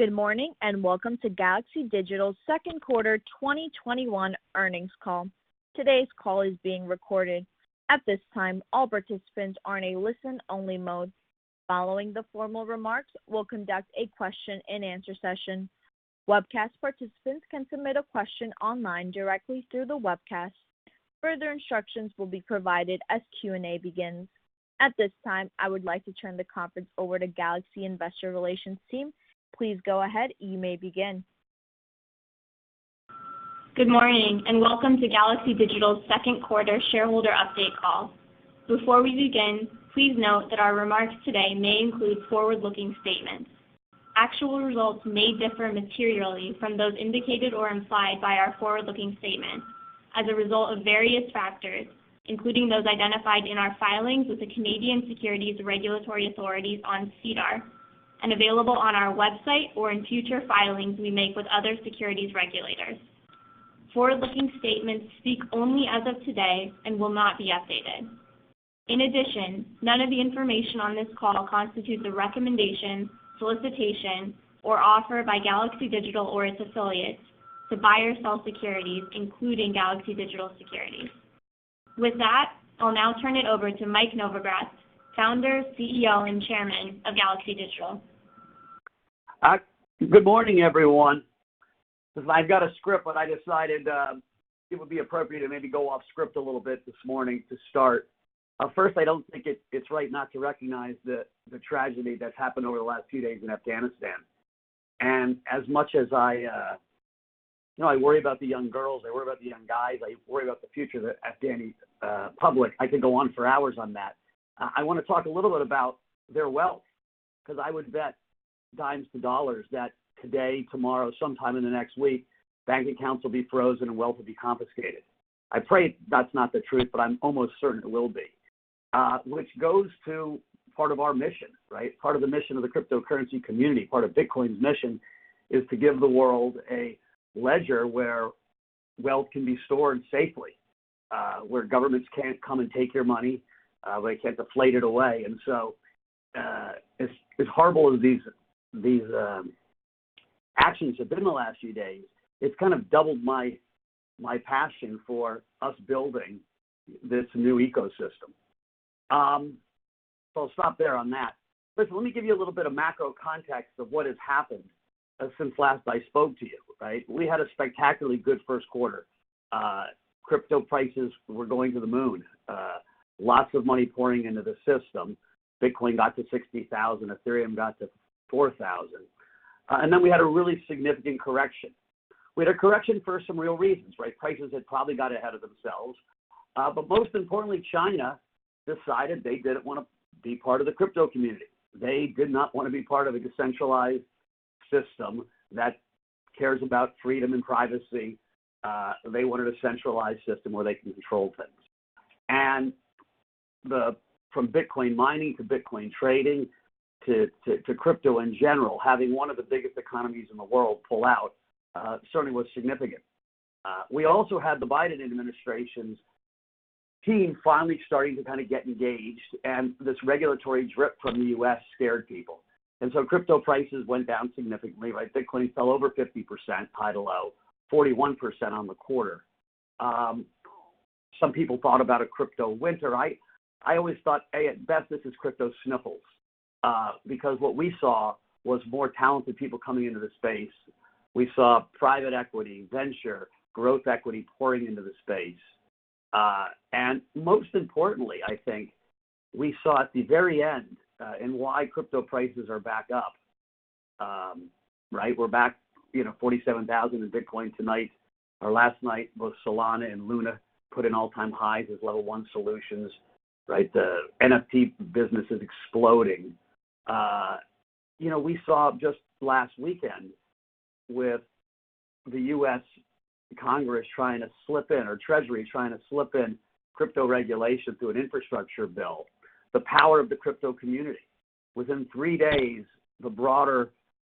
Good morning, welcome to Galaxy Digital's second quarter 2021 earnings call. Today's call is being recorded. At this time, all participants are in a listen-only mode. Following the formal remarks, we'll conduct a question and answer session. Webcast participants can submit a question online directly through the webcast. Further instructions will be provided as Q&A begins. At this time, I would like to turn the conference over to Galaxy Investor Relations team. Please go ahead. You may begin. Good morning. Welcome to Galaxy Digital's second quarter shareholder update call. Before we begin, please note that our remarks today may include forward-looking statements. Actual results may differ materially from those indicated or implied by our forward-looking statements as a result of various factors, including those identified in our filings with the Canadian securities regulatory authorities on SEDAR and available on our website or in future filings we make with other securities regulators. Forward-looking statements speak only as of today and will not be updated. In addition, none of the information on this call constitutes a recommendation, solicitation, or offer by Galaxy Digital or its affiliates to buy or sell securities, including Galaxy Digital securities. With that, I'll now turn it over to Mike Novogratz, Founder, CEO, and Chairman of Galaxy Digital. Good morning, everyone. I've got a script, but I decided it would be appropriate to maybe go off script a little bit this morning to start. First, I don't think it's right not to recognize the tragedy that's happened over the last few days in Afghanistan. As much as I worry about the young girls, I worry about the young guys, I worry about the future of the Afghani public, I could go on for hours on that. I want to talk a little bit about their wealth, because I would bet dimes to dollars that today, tomorrow, sometime in the next week, bank accounts will be frozen and wealth will be confiscated. I pray that's not the truth, but I'm almost certain it will be, which goes to part of our mission. Part of the mission of the cryptocurrency community, part of Bitcoin's mission, is to give the world a ledger where wealth can be stored safely, where governments can't come and take your money, where they can't deflate it away. As horrible as these actions have been in the last few days, it's kind of doubled my passion for us building this new ecosystem. I'll stop there on that. Listen, let me give you a little bit of macro context of what has happened since last I spoke to you. We had a spectacularly good first quarter. Crypto prices were going to the moon. Lots of money pouring into the system. Bitcoin got to $60,000, Ethereum got to $4,000. We had a really significant correction. We had a correction for some real reasons. Prices had probably got ahead of themselves. Most importantly, China decided they didn't want to be part of the crypto community. They did not want to be part of a decentralized system that cares about freedom and privacy. They wanted a centralized system where they can control things. From Bitcoin mining to Bitcoin trading to crypto in general, having one of the biggest economies in the world pull out certainly was significant. We also had the Biden administration's team finally starting to kind of get engaged, and this regulatory drip from the U.S. scared people. Crypto prices went down significantly. Bitcoin fell over 50% to a low, 41% on the quarter. Some people thought about a crypto winter. I always thought, A, at best, this is crypto sniffles. What we saw was more talented people coming into the space. We saw private equity, venture, growth equity pouring into the space. Most importantly, I think we saw at the very end, why crypto prices are back up. We're back $47,000 in Bitcoin tonight, or last night, both Solana and Luna put in all-time highs as level one solutions. The NFT business is exploding. We saw just last weekend with the U.S. Congress trying to slip in, or Treasury trying to slip in crypto regulation through an infrastructure bill, the power of the crypto community. Within three days, the broader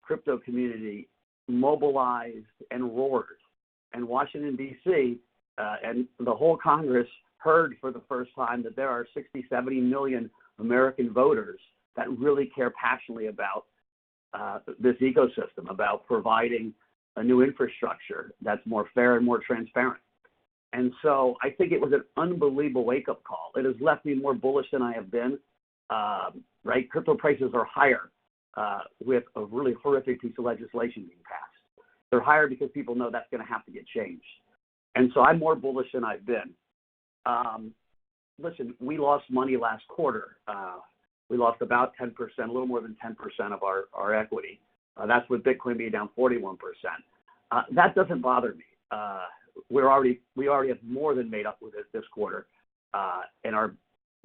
crypto community mobilized and roared. Washington, D.C., and the whole Congress heard for the first time that there are 60, 70 million American voters that really care passionately about this ecosystem, about providing a new infrastructure that's more fair and more transparent. I think it was an unbelievable wake-up call. It has left me more bullish than I have been. Crypto prices are higher with a really horrific piece of legislation being passed. They're higher because people know that's going to have to get changed. I'm more bullish than I've been. Listen, we lost money last quarter. We lost about 10%, a little more than 10% of our equity. That's with Bitcoin being down 41%. That doesn't bother me. We already have more than made up with it this quarter, and our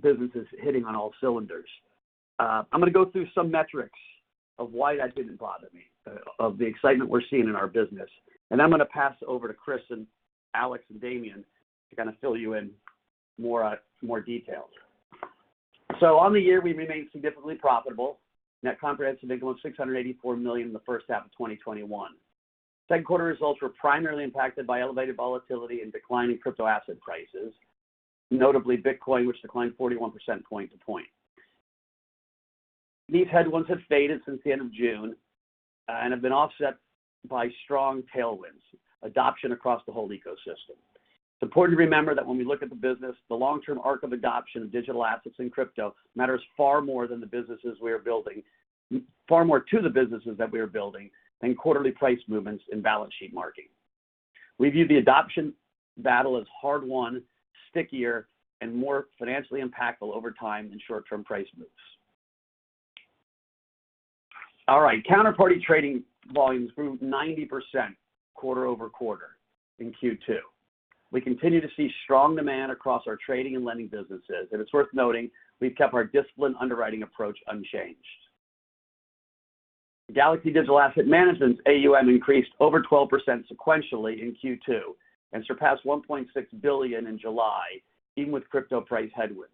business is hitting on all cylinders. I'm going to go through some metrics of why that didn't bother me, of the excitement we're seeing in our business. I'm going to pass it over to Chris and Alex and Damien to kind of fill you in more details. On the year, we remained significantly profitable. Net comprehensive income was $684 million in the first half of 2021. Second quarter results were primarily impacted by elevated volatility and declining crypto asset prices, notably Bitcoin, which declined 41% point to point. These headwinds have faded since the end of June, have been offset by strong tailwinds, adoption across the whole ecosystem. It's important to remember that when we look at the business, the long-term arc of adoption of digital assets in crypto matters far more to the businesses that we are building than quarterly price movements and balance sheet marking. We view the adoption battle as hard-won, stickier, and more financially impactful over time than short-term price moves. All right. Counterparty trading volumes grew 90% quarter-over-quarter in Q2. We continue to see strong demand across our trading and lending businesses, it's worth noting we've kept our disciplined underwriting approach unchanged. Galaxy Digital Asset Management's AUM increased over 12% sequentially in Q2, surpassed $1.6 billion in July, even with crypto price headwinds.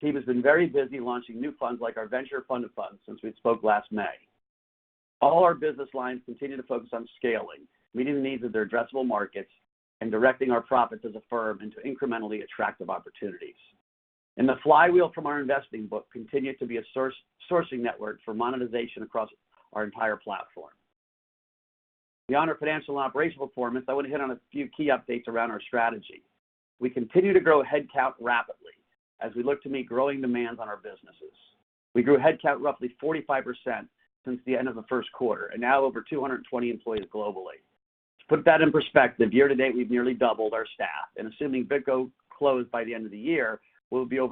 The team has been very busy launching new funds like our venture fund of funds since we spoke last May. All our business lines continue to focus on scaling, meeting the needs of their addressable markets, directing our profits as a firm into incrementally attractive opportunities. The flywheel from our investing book continued to be a sourcing network for monetization across our entire platform. Beyond our financial and operational performance, I want to hit on a few key updates around our strategy. We continue to grow headcount rapidly as we look to meet growing demands on our businesses. We grew headcount roughly 45% since the end of the first quarter, and now over 220 employees globally. To put that in perspective, year to date, we've nearly doubled our staff, and assuming BitGo closed by the end of the year, we'll be well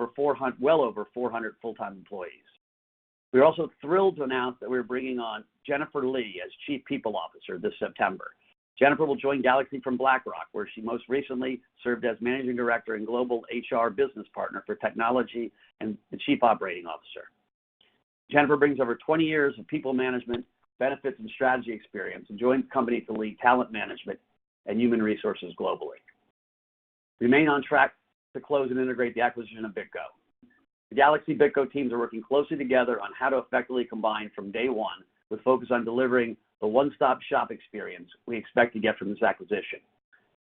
over 400 full-time employees. We are also thrilled to announce that we're bringing on Jen Lee as Chief People Officer this September. Jen will join Galaxy from BlackRock, where she most recently served as Managing Director and Global HR Business Partner for Technology, and the Chief Operating Officer. Jen brings over 20 years of people management, benefits, and strategy experience, and joins the company to lead talent management and human resources globally. We remain on track to close and integrate the acquisition of BitGo. The Galaxy BitGo teams are working closely together on how to effectively combine from day one, with a focus on delivering the one-stop shop experience we expect to get from this acquisition.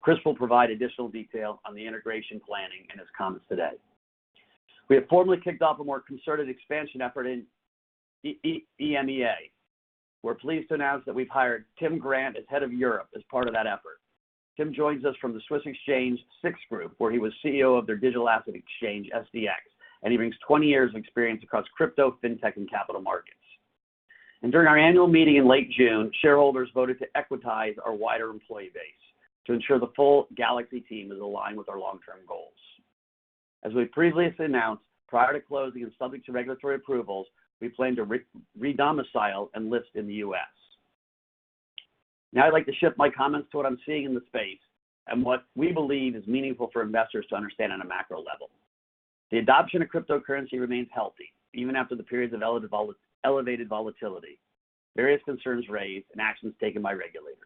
Chris will provide additional detail on the integration planning in his comments today. We have formally kicked off a more concerted expansion effort in EMEA. We're pleased to announce that we've hired Tim Grant as Head of Europe as part of that effort. Tim joins us from the Swiss Exchange SIX Group, where he was CEO of their digital asset exchange, SDX, and he brings 20 years of experience across crypto, fintech, and capital markets. During our annual meeting in late June, shareholders voted to equitize our wider employee base to ensure the full Galaxy team is aligned with our long-term goals. As we've previously announced, prior to closing and subject to regulatory approvals, we plan to re-domicile and list in the U.S. Now I'd like to shift my comments to what I'm seeing in the space and what we believe is meaningful for investors to understand on a macro level. The adoption of cryptocurrency remains healthy even after the periods of elevated volatility, various concerns raised, and actions taken by regulators.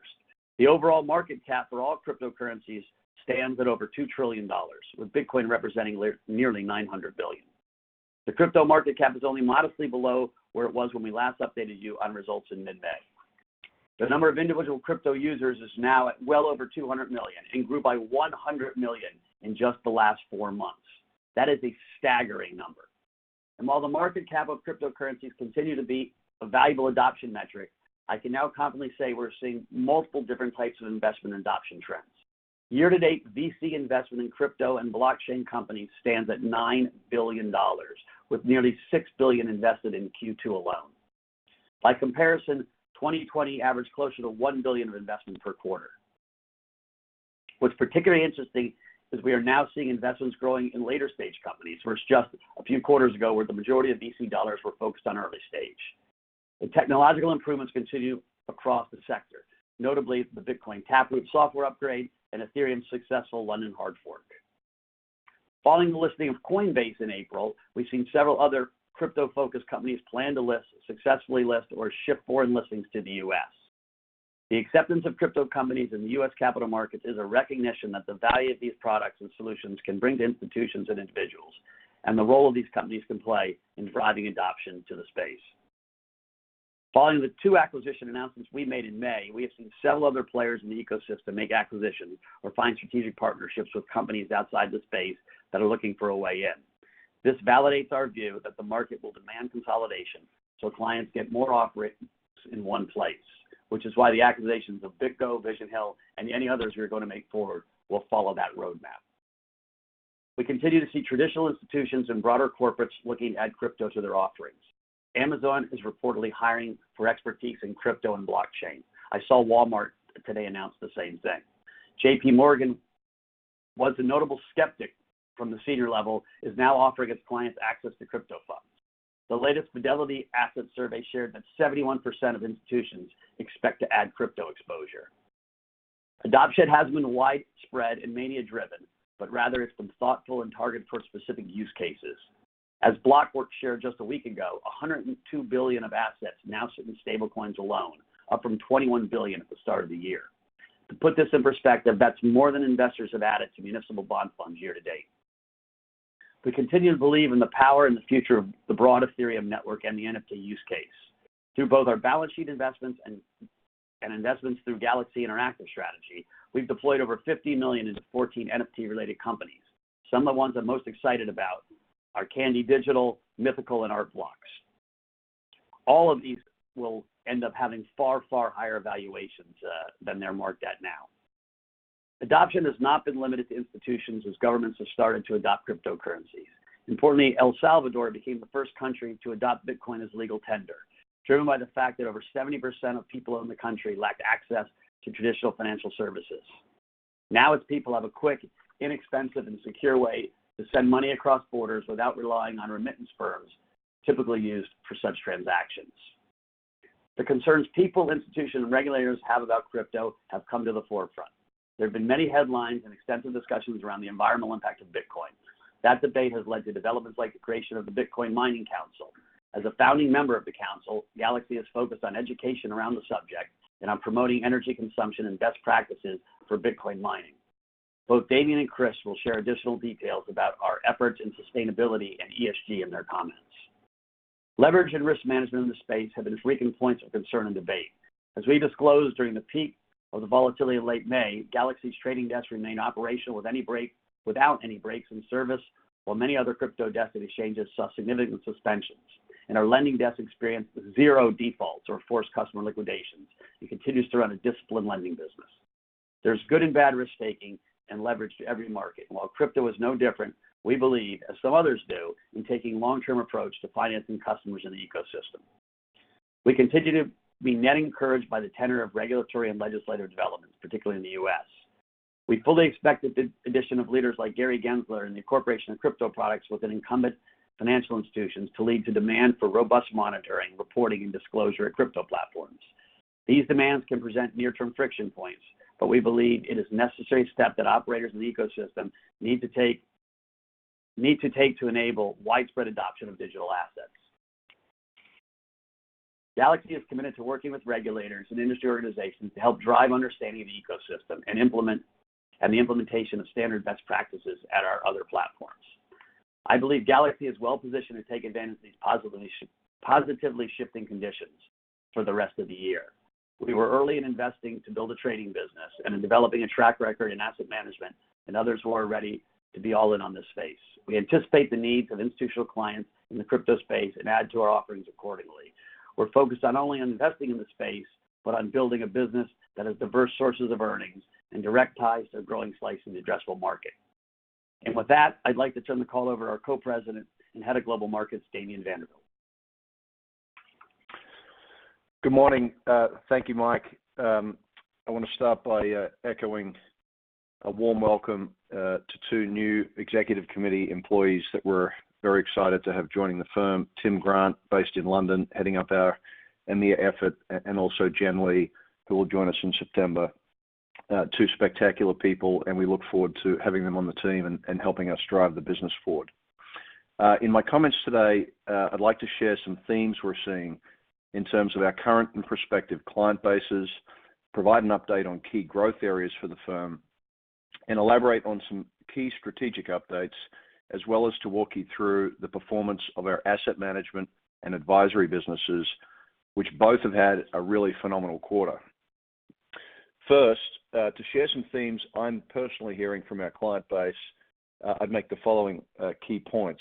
The overall market cap for all cryptocurrencies stands at over $2 trillion, with Bitcoin representing nearly $900 billion. The crypto market cap is only modestly below where it was when we last updated you on results in mid-May. The number of individual crypto users is now at well over 200 million, and grew by 100 million in just the last four months. That is a staggering number. While the market cap of cryptocurrencies continue to be a valuable adoption metric, I can now confidently say we're seeing multiple different types of investment adoption trends. Year to date, VC investment in crypto and blockchain companies stands at $9 billion, with nearly $6 billion invested in Q2 alone. By comparison, 2020 averaged closer to $1 billion of investment per quarter. What's particularly interesting is we are now seeing investments growing in later-stage companies, whereas just a few quarters ago, where the majority of VC dollars were focused on early stage. The technological improvements continue across the sector, notably the Bitcoin Taproot software upgrade and Ethereum's successful London hard fork. Following the listing of Coinbase in April, we've seen several other crypto-focused companies plan to list, successfully list, or shift foreign listings to the U.S. The acceptance of crypto companies in the U.S. capital markets is a recognition that the value of these products and solutions can bring to institutions and individuals, and the role these companies can play in driving adoption to the space. Following the two acquisition announcements we made in May, we have seen several other players in the ecosystem make acquisitions or find strategic partnerships with companies outside the space that are looking for a way in. This validates our view that the market will demand consolidation so clients get more offerings in one place, which is why the acquisitions of BitGo, Vision Hill, and any others we are going to make forward will follow that roadmap. We continue to see traditional institutions and broader corporates looking to add crypto to their offerings. Amazon is reportedly hiring for expertise in crypto and blockchain. I saw Walmart today announce the same thing. JPMorgan, who was a notable skeptic from the senior level, is now offering its clients access to crypto funds. The latest Fidelity Asset Survey shared that 71% of institutions expect to add crypto exposure. Adoption hasn't been widespread and mania-driven, but rather it's been thoughtful and targeted toward specific use cases. As Blockworks shared just a week ago, $102 billion of assets now sit in stablecoins alone, up from $21 billion at the start of the year. To put this in perspective, that's more than investors have added to municipal bond funds year to date. We continue to believe in the power and the future of the broad Ethereum network and the NFT use case. Through both our balance sheet investments and investments through Galaxy Interactive Strategy, we've deployed over $50 million into 14 NFT-related companies. Some of the ones I'm most excited about are Candy Digital, Mythical, and Art Blocks. All of these will end up having far, far higher valuations than they're marked at now. Adoption has not been limited to institutions as governments have started to adopt cryptocurrencies. Importantly, El Salvador became the first country to adopt Bitcoin as legal tender, driven by the fact that over 70% of people in the country lack access to traditional financial services. Now its people have a quick, inexpensive, and secure way to send money across borders without relying on remittance firms typically used for such transactions. The concerns people, institutions, and regulators have about crypto have come to the forefront. There have been many headlines and extensive discussions around the environmental impact of Bitcoin. That debate has led to developments like the creation of the Bitcoin Mining Council. As a founding member of the council, Galaxy is focused on education around the subject and on promoting energy consumption and best practices for Bitcoin mining. Both Damien and Chris will share additional details about our efforts in sustainability and ESG in their comments. Leverage and risk management in the space have been frequent points of concern and debate. As we disclosed during the peak of the volatility of late May, Galaxy's trading desks remain operational without any breaks in service, while many other crypto desk and exchanges saw significant suspensions, and our lending desk experienced zero defaults or forced customer liquidations and continues to run a disciplined lending business. There's good and bad risk-taking and leverage to every market, and while crypto is no different, we believe, as some others do, in taking a long-term approach to financing customers in the ecosystem. We continue to be net encouraged by the tenor of regulatory and legislative developments, particularly in the U.S. We fully expect the addition of leaders like Gary Gensler and the incorporation of crypto products within incumbent financial institutions to lead to demand for robust monitoring, reporting, and disclosure at crypto platforms. These demands can present near-term friction points, but we believe it is a necessary step that operators in the ecosystem need to take to enable widespread adoption of digital assets. Galaxy is committed to working with regulators and industry organizations to help drive understanding of the ecosystem and the implementation of standard best practices at our other platforms. I believe Galaxy is well positioned to take advantage of these positively shifting conditions for the rest of the year. We were early in investing to build a trading business and in developing a track record in asset management and others who are ready to be all in on this space. We anticipate the needs of institutional clients in the crypto space and add to our offerings accordingly. We're focused not only on investing in the space, but on building a business that has diverse sources of earnings and direct ties to a growing slice of the addressable market. With that, I'd like to turn the call over to our Co-President and Head of Global Markets, Damien Vanderwilt. Good morning. Thank you, Mike. I want to start by echoing a warm welcome to two new executive committee employees that we're very excited to have joining the firm, Tim Grant, based in London, heading up our EMEA effort, and also Jen Lee, who will join us in September. Two spectacular people. We look forward to having them on the team and helping us drive the business forward. In my comments today, I'd like to share some themes we're seeing in terms of our current and prospective client bases, provide an update on key growth areas for the firm, and elaborate on some key strategic updates, as well as to walk you through the performance of our asset management and advisory businesses, which both have had a really phenomenal quarter. First, to share some themes I'm personally hearing from our client base, I'd make the following key points.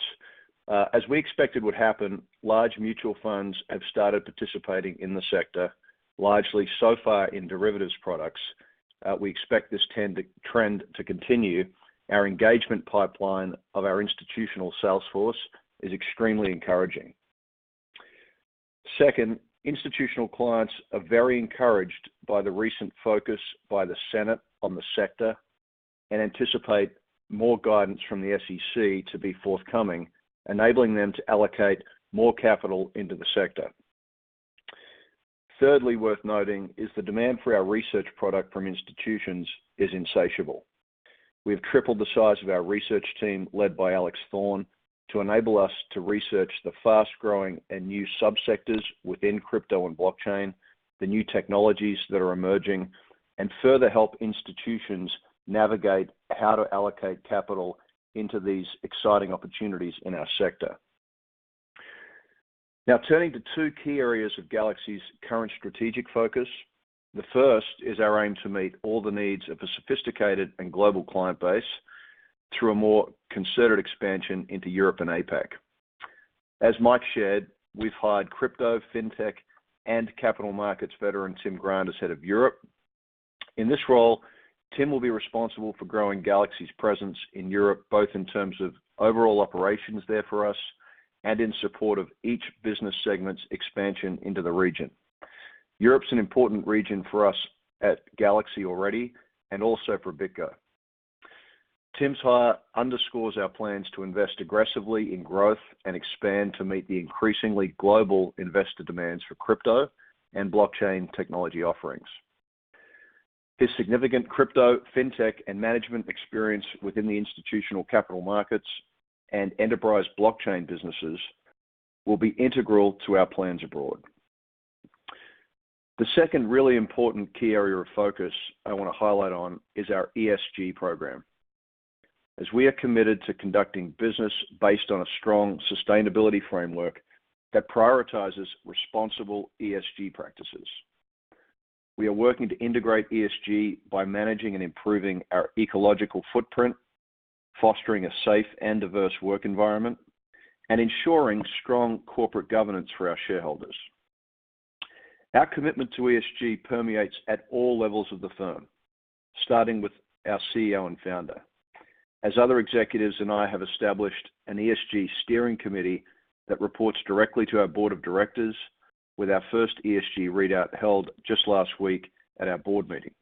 As we expected would happen, large mutual funds have started participating in the sector, largely so far in derivatives products. We expect this trend to continue. Our engagement pipeline of our institutional sales force is extremely encouraging. Second, institutional clients are very encouraged by the recent focus by the Senate on the sector and anticipate more guidance from the SEC to be forthcoming, enabling them to allocate more capital into the sector. Worth noting is the demand for our research product from institutions is insatiable. We have tripled the size of our research team, led by Alex Thorn, to enable us to research the fast-growing and new subsectors within crypto and blockchain, the new technologies that are emerging, and further help institutions navigate how to allocate capital into these exciting opportunities in our sector. Now, turning to two key areas of Galaxy's current strategic focus. The first is our aim to meet all the needs of a sophisticated and global client base through a more concerted expansion into Europe and APAC. As Mike shared, we've hired crypto, fintech, and capital markets veteran, Tim Grant, as Head of Europe. In this role, Tim will be responsible for growing Galaxy's presence in Europe, both in terms of overall operations there for us and in support of each business segment's expansion into the region. Europe's an important region for us at Galaxy already and also for BitGo. Tim's hire underscores our plans to invest aggressively in growth and expand to meet the increasingly global investor demands for crypto and blockchain technology offerings. His significant crypto, fintech, and management experience within the institutional capital markets and enterprise blockchain businesses will be integral to our plans abroad. The second really important key area of focus I want to highlight on is our ESG program. As we are committed to conducting business based on a strong sustainability framework that prioritizes responsible ESG practices. We are working to integrate ESG by managing and improving our ecological footprint, fostering a safe and diverse work environment, and ensuring strong corporate governance for our shareholders. Our commitment to ESG permeates at all levels of the firm, starting with our CEO and founder. As other executives and I have established an ESG steering committee that reports directly to our board of directors with our first ESG readout held just last week at our board meeting.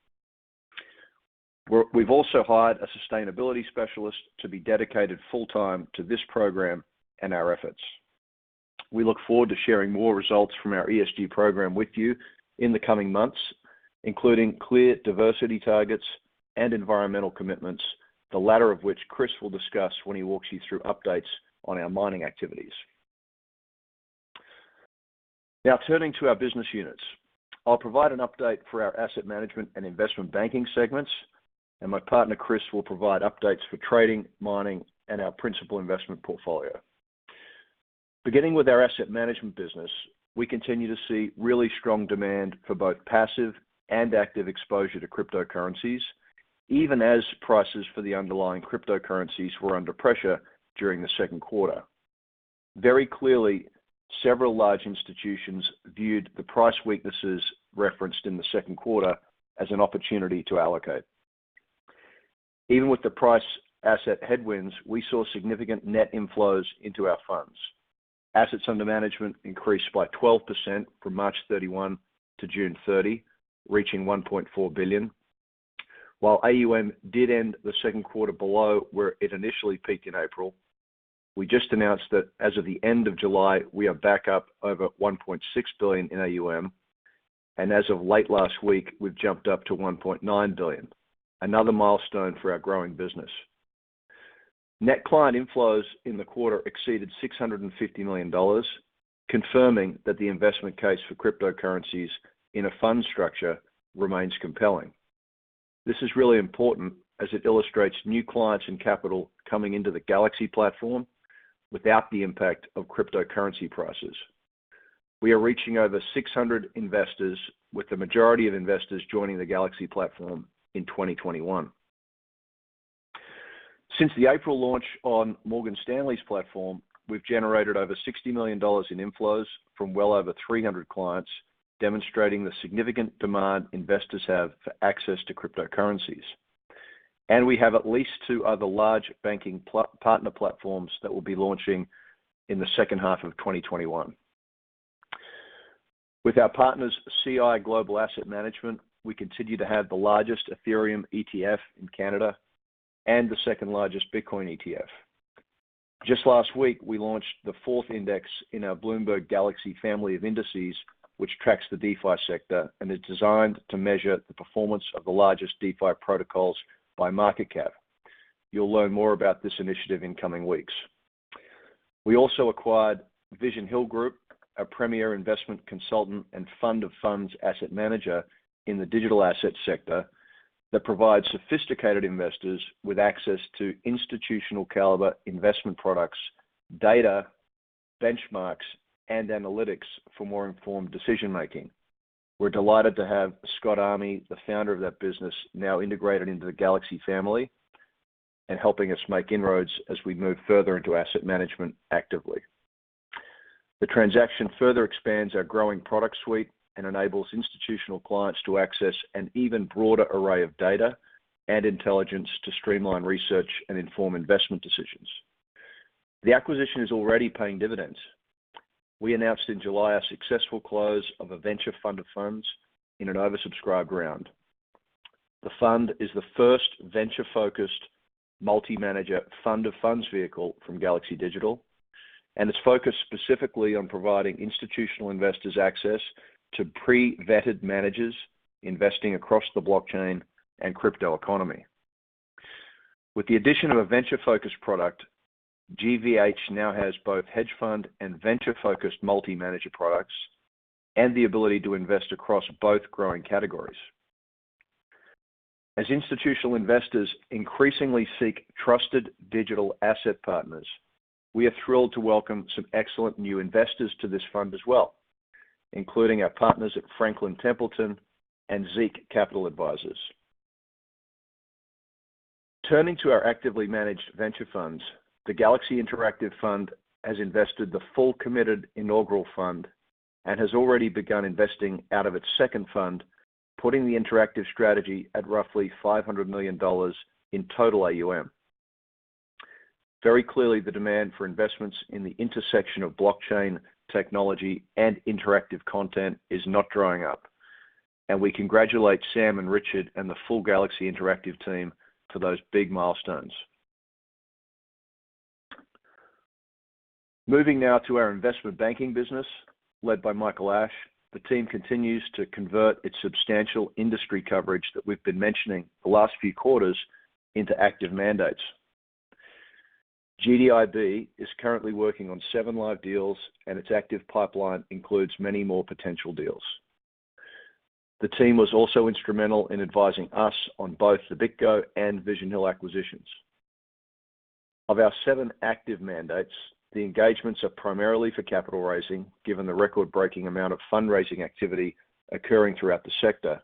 We've also hired a sustainability specialist to be dedicated full-time to this program and our efforts. We look forward to sharing more results from our ESG program with you in the coming months, including clear diversity targets and environmental commitments, the latter of which Chris will discuss when he walks you through updates on our mining activities. Now turning to our business units. I'll provide an update for our Asset Management and Investment Banking segments, and my partner, Chris, will provide updates for Trading, Mining, and our Principal Investment Portfolio. Beginning with our Asset Management business, we continue to see really strong demand for both passive and active exposure to cryptocurrencies, even as prices for the underlying cryptocurrencies were under pressure during the 2nd quarter. Very clearly, several large institutions viewed the price weaknesses referenced in the 2nd quarter as an opportunity to allocate. Even with the price asset headwinds, we saw significant net inflows into our funds. Assets under management increased by 12% from March 31 to June 30, reaching $1.4 billion. While AUM did end the second quarter below where it initially peaked in April, we just announced that as of the end of July, we are back up over $1.6 billion in AUM, and as of late last week, we've jumped up to $1.9 billion. Another milestone for our growing business. Net client inflows in the quarter exceeded $650 million, confirming that the investment case for cryptocurrencies in a fund structure remains compelling. This is really important as it illustrates new clients and capital coming into the Galaxy platform without the impact of cryptocurrency prices. We are reaching over 600 investors with the majority of investors joining the Galaxy platform in 2021. Since the April launch on Morgan Stanley's platform, we've generated over $60 million in inflows from well over 300 clients, demonstrating the significant demand investors have for access to cryptocurrencies. We have at least two other large banking partner platforms that will be launching in the second half of 2021. With our partners CI Global Asset Management, we continue to have the largest Ethereum ETF in Canada and the second-largest Bitcoin ETF. Just last week, we launched the fourth index in our Bloomberg Galaxy family of indices, which tracks the DeFi sector and is designed to measure the performance of the largest DeFi protocols by market cap. You'll learn more about this initiative in coming weeks. We also acquired Vision Hill Group, a premier investment consultant and fund of funds asset manager in the digital asset sector that provides sophisticated investors with access to institutional-caliber investment products, data, benchmarks, and analytics for more informed decision-making. We're delighted to have Scott Army, the founder of that business, now integrated into the Galaxy family and helping us make inroads as we move further into asset management actively. The transaction further expands our growing product suite and enables institutional clients to access an even broader array of data and intelligence to streamline research and inform investment decisions. The acquisition is already paying dividends. We announced in July our successful close of a venture fund of funds in an oversubscribed round. The fund is the first venture-focused multi-manager fund of funds vehicle from Galaxy Digital. It's focused specifically on providing institutional investors access to pre-vetted managers investing across the blockchain and crypto economy. With the addition of a venture-focused product, GVH now has both hedge fund and venture-focused multi-manager products and the ability to invest across both growing categories. As institutional investors increasingly seek trusted digital asset partners, we are thrilled to welcome some excellent new investors to this fund as well, including our partners at Franklin Templeton and Zeke Capital Advisors. Turning to our actively managed venture funds, the Galaxy Interactive Fund has invested the full committed inaugural fund and has already begun investing out of its second fund, putting the interactive strategy at roughly $500 million in total AUM. Very clearly, the demand for investments in the intersection of blockchain technology and interactive content is not drying up. We congratulate Sam and Richard and the full Galaxy Interactive team for those big milestones. Moving now to our investment banking business led by Michael Ashe. The team continues to convert its substantial industry coverage that we've been mentioning the last few quarters into active mandates. GDIB is currently working on seven live deals, and its active pipeline includes many more potential deals. The team was also instrumental in advising us on both the BitGo and Vision Hill acquisitions. Of our seven active mandates, the engagements are primarily for capital raising, given the record-breaking amount of fundraising activity occurring throughout the sector.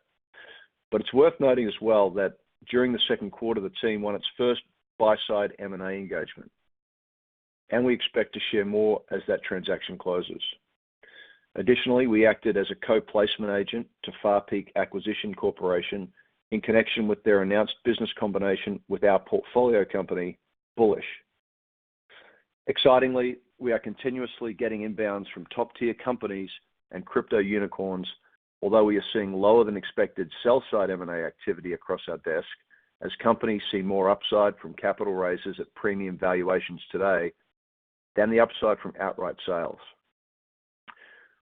It's worth noting as well that during the 2nd quarter, the team won its 1st buy-side M&A engagement, and we expect to share more as that transaction closes. Additionally, we acted as a co-placement agent to Far Peak Acquisition Corporation in connection with their announced business combination with our portfolio company, Bullish. Excitingly, we are continuously getting inbounds from top-tier companies and crypto unicorns, although we are seeing lower than expected sell-side M&A activity across our desk, as companies see more upside from capital raises at premium valuations today than the upside from outright sales.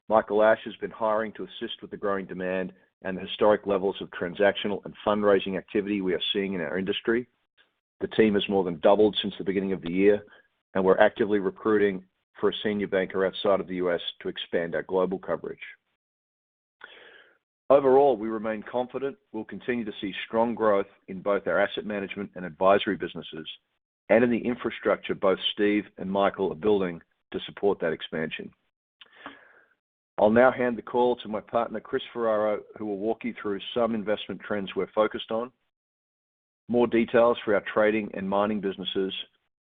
Michael Ashe has been hiring to assist with the growing demand and the historic levels of transactional and fundraising activity we are seeing in our industry. The team has more than doubled since the beginning of the year. We're actively recruiting for a senior banker outside of the U.S. to expand our global coverage. Overall, we remain confident we'll continue to see strong growth in both our asset management and advisory businesses and in the infrastructure both Steve and Michael are building to support that expansion. I'll now hand the call to my partner, Chris Ferraro, who will walk you through some investment trends we're focused on, more details for our trading and mining businesses,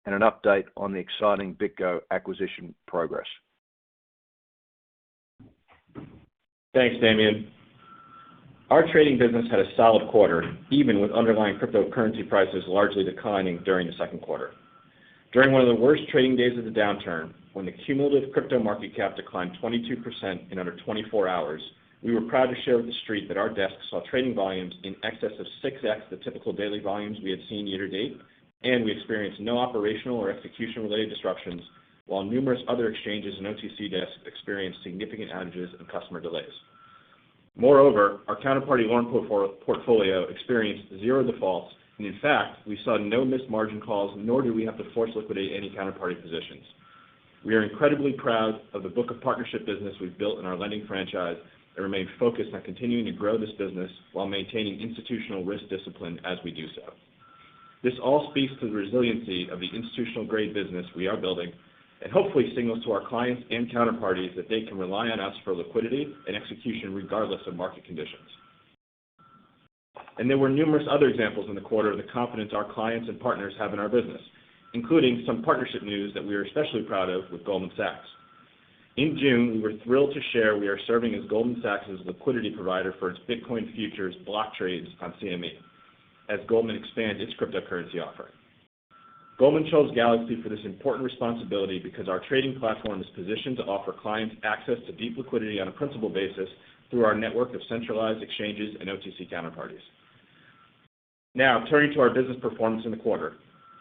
and an update on the exciting BitGo acquisition progress. Thanks, Damien. Our trading business had a solid quarter, even with underlying cryptocurrency prices largely declining during the second quarter. During one of the worst trading days of the downturn, when the cumulative crypto market cap declined 22% in under 24 hours, we were proud to share with the Street that our desks saw trading volumes in excess of 6x the typical daily volumes we had seen year to date, and we experienced no operational or execution-related disruptions, while numerous other exchanges and OTC desks experienced significant outages and customer delays. Moreover, our counterparty loan portfolio experienced zero defaults, and in fact, we saw no missed margin calls, nor did we have to force liquidate any counterparty positions. We are incredibly proud of the book of partnership business we've built in our lending franchise and remain focused on continuing to grow this business while maintaining institutional risk discipline as we do so. This all speaks to the resiliency of the institutional-grade business we are building and hopefully signals to our clients and counterparties that they can rely on us for liquidity and execution regardless of market conditions. There were numerous other examples in the quarter of the confidence our clients and partners have in our business, including some partnership news that we are especially proud of with Goldman Sachs. In June, we were thrilled to share we are serving as Goldman Sachs's liquidity provider for its Bitcoin futures block trades on CME, as Goldman expands its cryptocurrency offering. Goldman chose Galaxy for this important responsibility because our trading platform is positioned to offer clients access to deep liquidity on a principal basis through our network of centralized exchanges and OTC counterparties. Turning to our business performance in the quarter.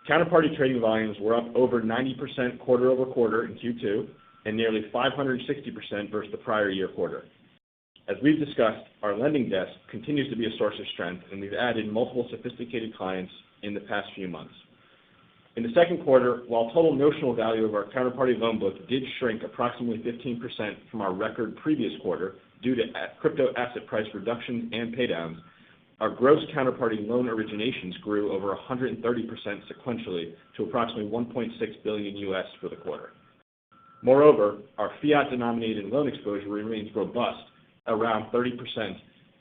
Counterparty trading volumes were up over 90% quarter-over-quarter in Q2 and nearly 560% versus the prior year quarter. As we've discussed, our lending desk continues to be a source of strength, and we've added multiple sophisticated clients in the past few months. In the second quarter, while total notional value of our counterparty loan book did shrink approximately 15% from our record previous quarter due to crypto asset price reduction and paydowns, our gross counterparty loan originations grew over 130% sequentially to approximately US$1.6 billion for the quarter. Our fiat-denominated loan exposure remains robust, around 30%,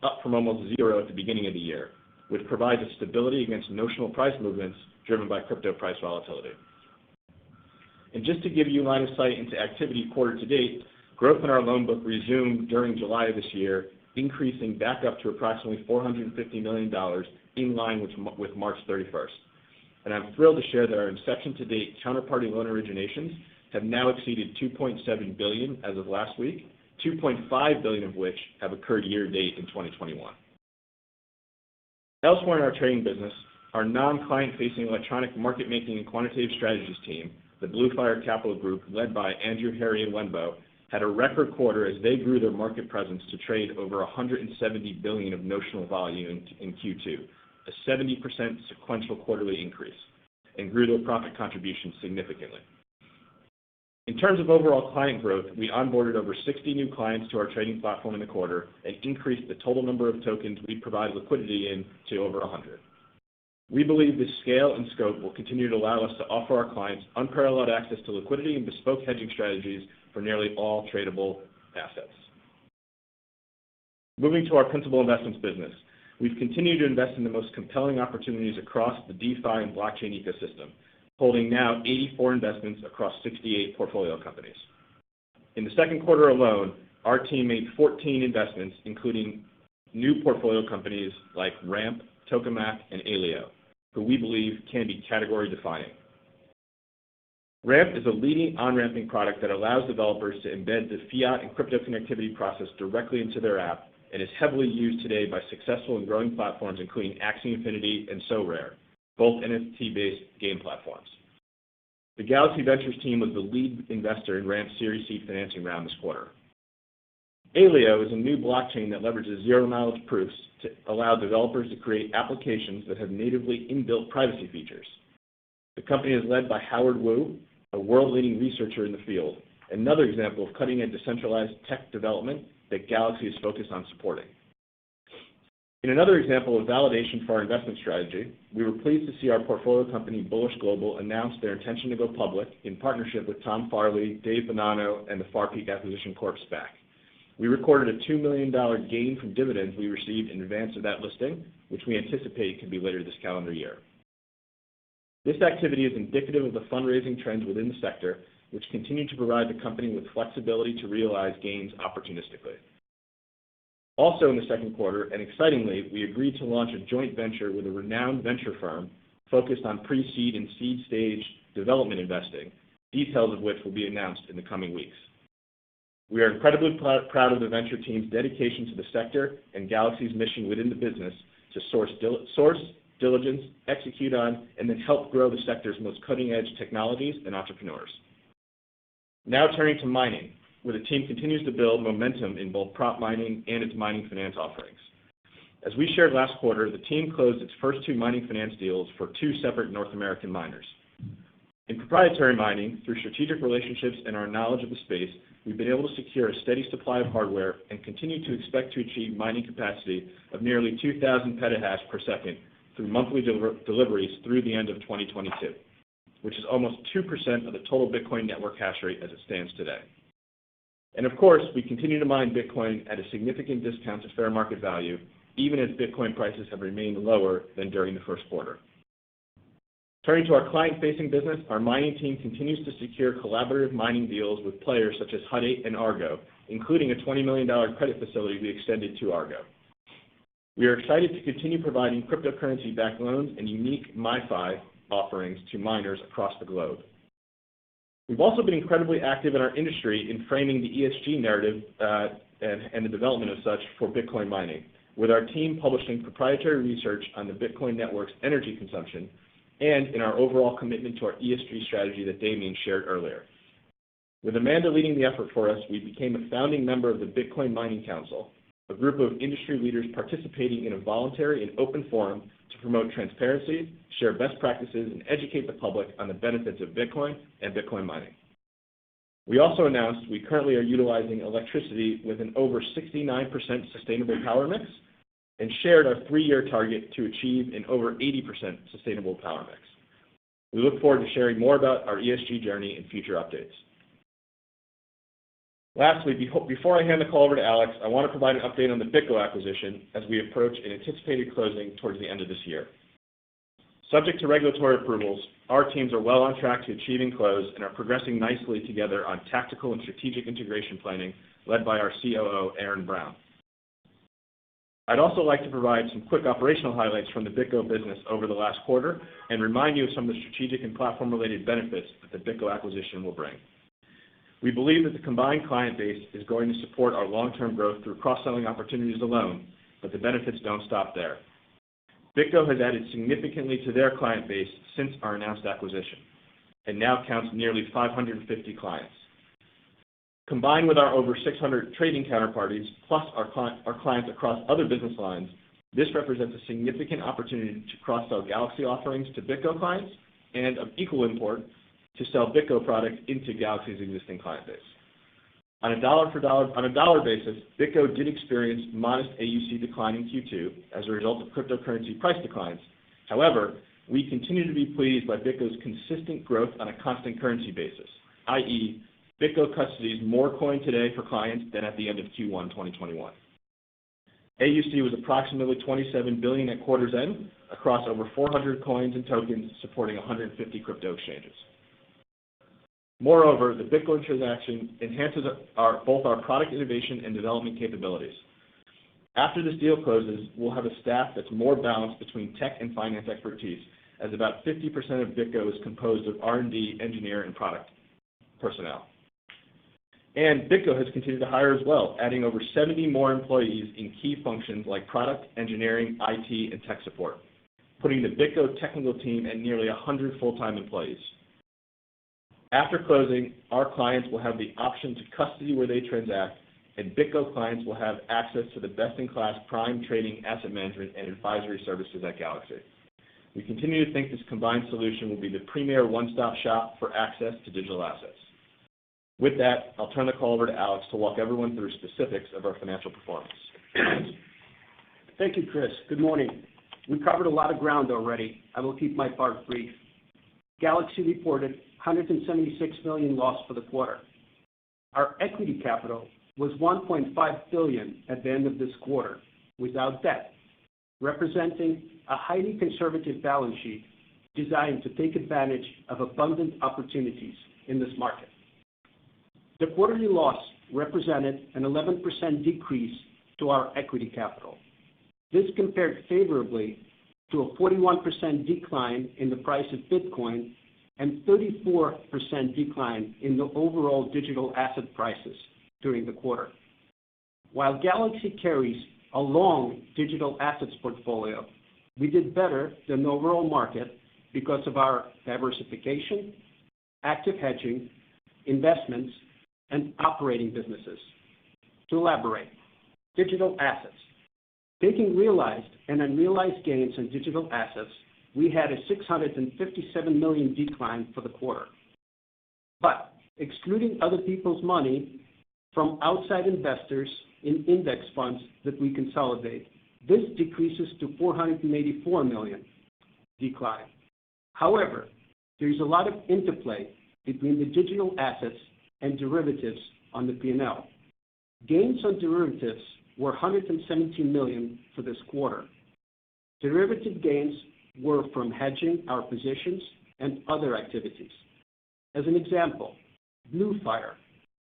up from almost zero at the beginning of the year, which provides a stability against notional price movements driven by crypto price volatility. Just to give you line of sight into activity quarter to date, growth in our loan book resumed during July of this year, increasing back up to approximately $450 million, in line with March 31st. I'm thrilled to share that our inception to date counterparty loan originations have now exceeded $2.7 billion as of last week, $2.5 billion of which have occurred year to date in 2021. Elsewhere in our trading business, our non-client-facing electronic market-making and quantitative strategies team, the Blue Fire Capital, led by Andrew Karos and Wenbo, had a record quarter as they grew their market presence to trade over $170 billion of notional volume in Q2, a 70% sequential quarterly increase, and grew their profit contribution significantly. In terms of overall client growth, we onboarded over 60 new clients to our trading platform in the quarter and increased the total number of tokens we provide liquidity in to over 100. We believe this scale and scope will continue to allow us to offer our clients unparalleled access to liquidity and bespoke hedging strategies for nearly all tradable assets. Moving to our principal investments business. We've continued to invest in the most compelling opportunities across the DeFi and blockchain ecosystem, holding now 84 investments across 68 portfolio companies. In the second quarter alone, our team made 14 investments, including new portfolio companies like Ramp, Tokemak, and Aleo, who we believe can be category-defining. Ramp is a leading on-ramping product that allows developers to embed the fiat and crypto connectivity process directly into their app and is heavily used today by successful and growing platforms including Axie Infinity and Sorare, both NFT-based game platforms. The Galaxy Ventures team was the lead investor in Ramp's Series C financing round this quarter. Aleo is a new blockchain that leverages zero-knowledge proofs to allow developers to create applications that have natively inbuilt privacy features. The company is led by Howard Wu, a world-leading researcher in the field, another example of cutting-edge decentralized tech development that Galaxy is focused on supporting. In another example of validation for our investment strategy, we were pleased to see our portfolio company, Bullish Global, announce their intention to go public in partnership with Tom Farley, David Bonanno, and the Far Peak Acquisition Corp SPAC. We recorded a $2 million gain from dividends we received in advance of that listing, which we anticipate could be later this calendar year. This activity is indicative of the fundraising trends within the sector, which continue to provide the company with flexibility to realize gains opportunistically. Also in the second quarter, and excitingly, we agreed to launch a joint venture with a renowned venture firm focused on pre-seed and seed-stage development investing, details of which will be announced in the coming weeks. We are incredibly proud of the venture team's dedication to the sector and Galaxy's mission within the business to source, diligence, execute on, and then help grow the sector's most cutting-edge technologies and entrepreneurs. Now turning to mining, where the team continues to build momentum in both prop mining and its mining finance offerings. As we shared last quarter, the team closed its first two mining finance deals for two separate North American miners. In proprietary mining, through strategic relationships and our knowledge of the space, we've been able to secure a steady supply of hardware and continue to expect to achieve mining capacity of nearly 2,000 petahash per second through monthly deliveries through the end of 2022, which is almost 2% of the total Bitcoin network hash rate as it stands today. Of course, we continue to mine Bitcoin at a significant discount to fair market value, even as Bitcoin prices have remained lower than during the first quarter. Turning to our client-facing business, our mining team continues to secure collaborative mining deals with players such as Hut 8 and Argo, including a $20 million credit facility we extended to Argo. We are excited to continue providing cryptocurrency-backed loans and unique MineFi offerings to miners across the globe. We've also been incredibly active in our industry in framing the ESG narrative, and the development of such for Bitcoin mining, with our team publishing proprietary research on the Bitcoin network's energy consumption, and in our overall commitment to our ESG strategy that Damien shared earlier. With Amanda leading the effort for us, we became a founding member of the Bitcoin Mining Council, a group of industry leaders participating in a voluntary and open forum to promote transparency, share best practices, and educate the public on the benefits of Bitcoin and Bitcoin mining. We also announced we currently are utilizing electricity with an over 69% sustainable power mix and shared our three-year target to achieve an over 80% sustainable power mix. We look forward to sharing more about our ESG journey in future updates. Lastly, before I hand the call over to Alex, I want to provide an update on the BitGo acquisition as we approach an anticipated closing towards the end of this year. Subject to regulatory approvals, our teams are well on track to achieving close and are progressing nicely together on tactical and strategic integration planning led by our COO, Aaron Brown. I'd also like to provide some quick operational highlights from the BitGo business over the last quarter and remind you of some of the strategic and platform-related benefits that the BitGo acquisition will bring. We believe that the combined client base is going to support our long-term growth through cross-selling opportunities alone, but the benefits don't stop there. BitGo has added significantly to their client base since our announced acquisition and now counts nearly 550 clients. Combined with our over 600 trading counterparties, plus our clients across other business lines, this represents a significant opportunity to cross-sell Galaxy offerings to BitGo clients and, of equal import, to sell BitGo products into Galaxy's existing client base. On a dollar basis, BitGo did experience modest AUC decline in Q2 as a result of cryptocurrency price declines. However, we continue to be pleased by BitGo's consistent growth on a constant currency basis, i.e., BitGo custodies more coin today for clients than at the end of Q1 2021. AUC was approximately $27 billion at quarter's end across over 400 coins and tokens supporting 150 crypto exchanges. Moreover, the BitGo transaction enhances both our product innovation and development capabilities. After this deal closes, we'll have a staff that's more balanced between tech and finance expertise, as about 50% of BitGo is composed of R&D, engineer, and product personnel. BitGo has continued to hire as well, adding over 70 more employees in key functions like product, engineering, IT, and tech support, putting the BitGo technical team at nearly 100 full-time employees. After closing, our clients will have the option to custody where they transact, and BitGo clients will have access to the best-in-class prime trading asset management and advisory services at Galaxy. We continue to think this combined solution will be the premier one-stop shop for access to digital assets. With that, I'll turn the call over to Alex to walk everyone through specifics of our financial performance. Thank you, Chris. Good morning. We covered a lot of ground already. I will keep my part brief. Galaxy reported a $176 million loss for the quarter. Our equity capital was $1.5 billion at the end of this quarter without debt, representing a highly conservative balance sheet designed to take advantage of abundant opportunities in this market. The quarterly loss represented an 11% decrease to our equity capital. This compared favorably to a 41% decline in the price of Bitcoin and 34% decline in the overall digital asset prices during the quarter. While Galaxy carries a long digital assets portfolio, we did better than the overall market because of our diversification, active hedging, investments, and operating businesses. To elaborate, digital assets. Taking realized and unrealized gains in digital assets, we had a $657 million decline for the quarter. Excluding other people's money from outside investors in index funds that we consolidate, this decreases to $484 million decline. However, there is a lot of interplay between the digital assets and derivatives on the P&L. Gains on derivatives were $117 million for this quarter. Derivative gains were from hedging our positions and other activities. As an example, Blue Fire,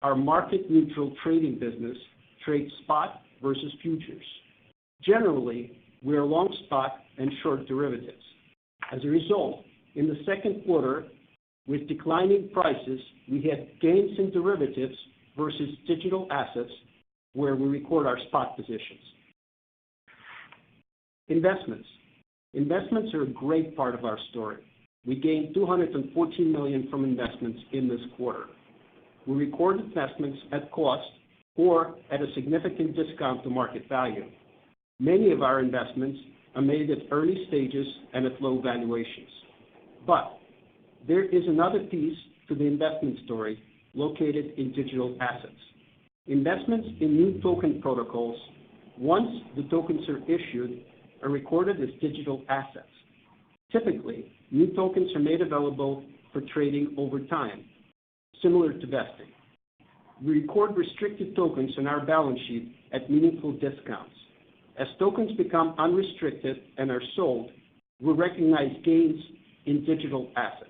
our market-neutral trading business, trades spot versus futures. Generally, we are long spot and short derivatives. As a result, in the second quarter, with declining prices, we had gains in derivatives versus digital assets, where we record our spot positions. Investments. Investments are a great part of our story. We gained $214 million from investments in this quarter. We record investments at cost or at a significant discount to market value. Many of our investments are made at early stages and at low valuations. There is another piece to the investment story located in digital assets. Investments in new token protocols, once the tokens are issued, are recorded as digital assets. Typically, new tokens are made available for trading over time, similar to vesting. We record restricted tokens on our balance sheet at meaningful discounts. As tokens become unrestricted and are sold, we recognize gains in digital assets.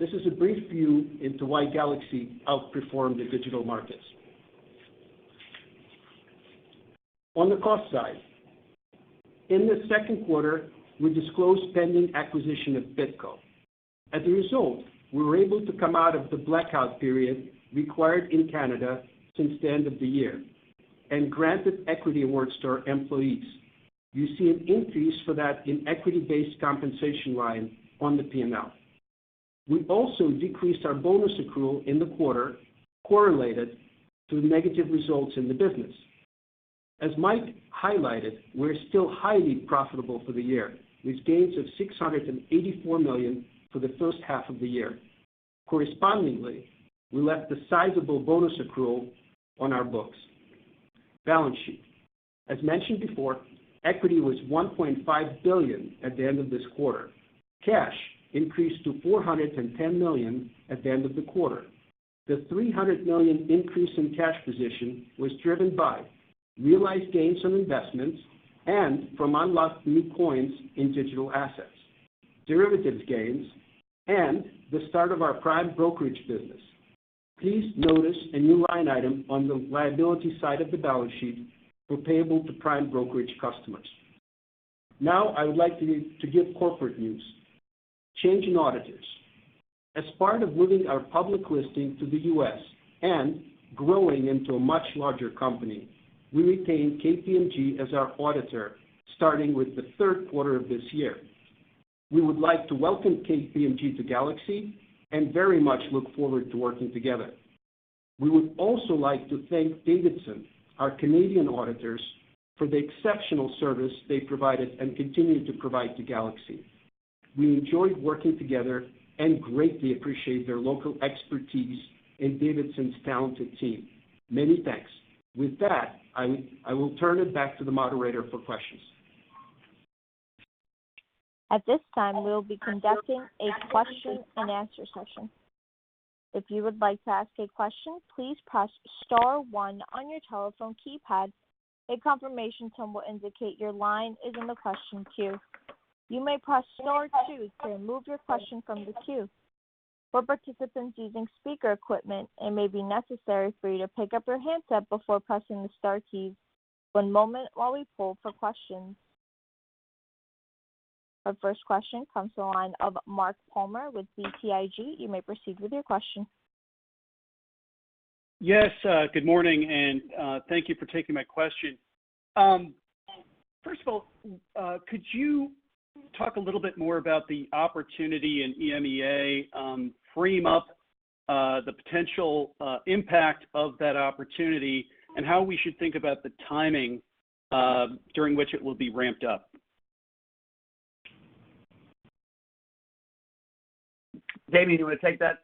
This is a brief view into why Galaxy outperformed the digital markets. On the cost side. In the second quarter, we disclosed pending acquisition of BitGo. As a result, we were able to come out of the blackout period required in Canada since the end of the year and granted equity awards to our employees. You see an increase for that in equity-based compensation line on the P&L. We also decreased our bonus accrual in the quarter correlated to the negative results in the business. As Mike highlighted, we're still highly profitable for the year, with gains of $684 million for the first half of the year. Correspondingly, we left the sizable bonus accrual on our books. Balance sheet. As mentioned before, equity was $1.5 billion at the end of this quarter. Cash increased to $410 million at the end of the quarter. The $300 million increase in cash position was driven by realized gains from investments and from unlocked new coins in digital assets, derivatives gains, and the start of our prime brokerage business. Please notice a new line item on the liability side of the balance sheet for payable to prime brokerage customers. Now, I would like to give corporate news. Changing auditors. As part of moving our public listing to the U.S. and growing into a much larger company, we retained KPMG as our auditor starting with the third quarter of this year. We would like to welcome KPMG to Galaxy and very much look forward to working together. We would also like to thank Davidson, our Canadian auditors, for the exceptional service they provided and continue to provide to Galaxy. We enjoyed working together and greatly appreciate their local expertise and Davidson's talented team. Many thanks. With that, I will turn it back to the moderator for questions. Our first question comes to the line of Mark Palmer with BTIG. You may proceed with your question. Yes, good morning, and thank you for taking my question. First of all, could you talk a little bit more about the opportunity in EMEA, frame up the potential impact of that opportunity, and how we should think about the timing during which it will be ramped up? Damien, do you want to take that?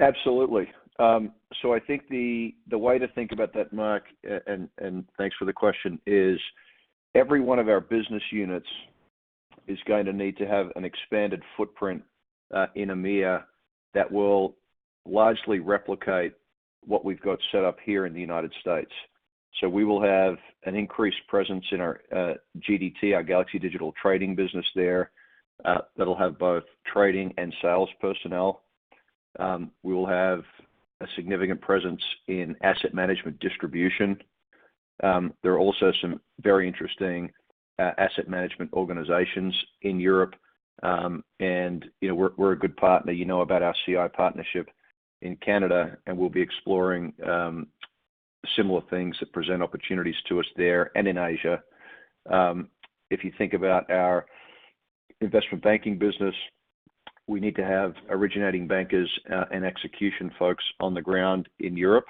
Absolutely. I think the way to think about that, Mark, and thanks for the question, is every one of our business units is going to need to have an expanded footprint in EMEA that will largely replicate what we've got set up here in the U.S. We will have an increased presence in our GDT, our Galaxy Digital Trading business there. That'll have both trading and sales personnel. We will have a significant presence in asset management distribution. There are also some very interesting asset management organizations in Europe, and we're a good partner. You know about our CI partnership in Canada, and we'll be exploring. Similar things that present opportunities to us there and in Asia. If you think about our investment banking business, we need to have originating bankers and execution folks on the ground in Europe.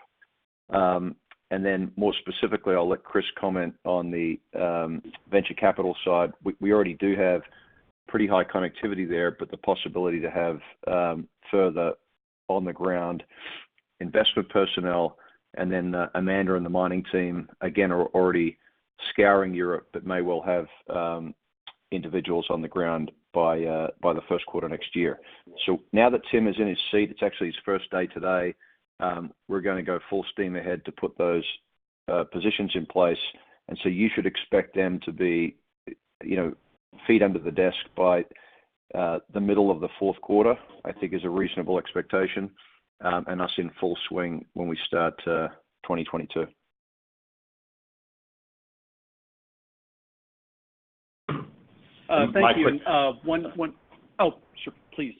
More specifically, I'll let Chris comment on the venture capital side. We already do have pretty high connectivity there, but the possibility to have further on-the-ground investment personnel. Amanda and the mining team, again, are already scouring Europe, but may well have individuals on the ground by the first quarter next year. Now that Tim is in his seat, it's actually his first day today, we're going to go full steam ahead to put those positions in place. You should expect them to be feet under the desk by the middle of the fourth quarter, I think is a reasonable expectation, and us in full swing when we start 2022. Thank you. Oh, sure. Please.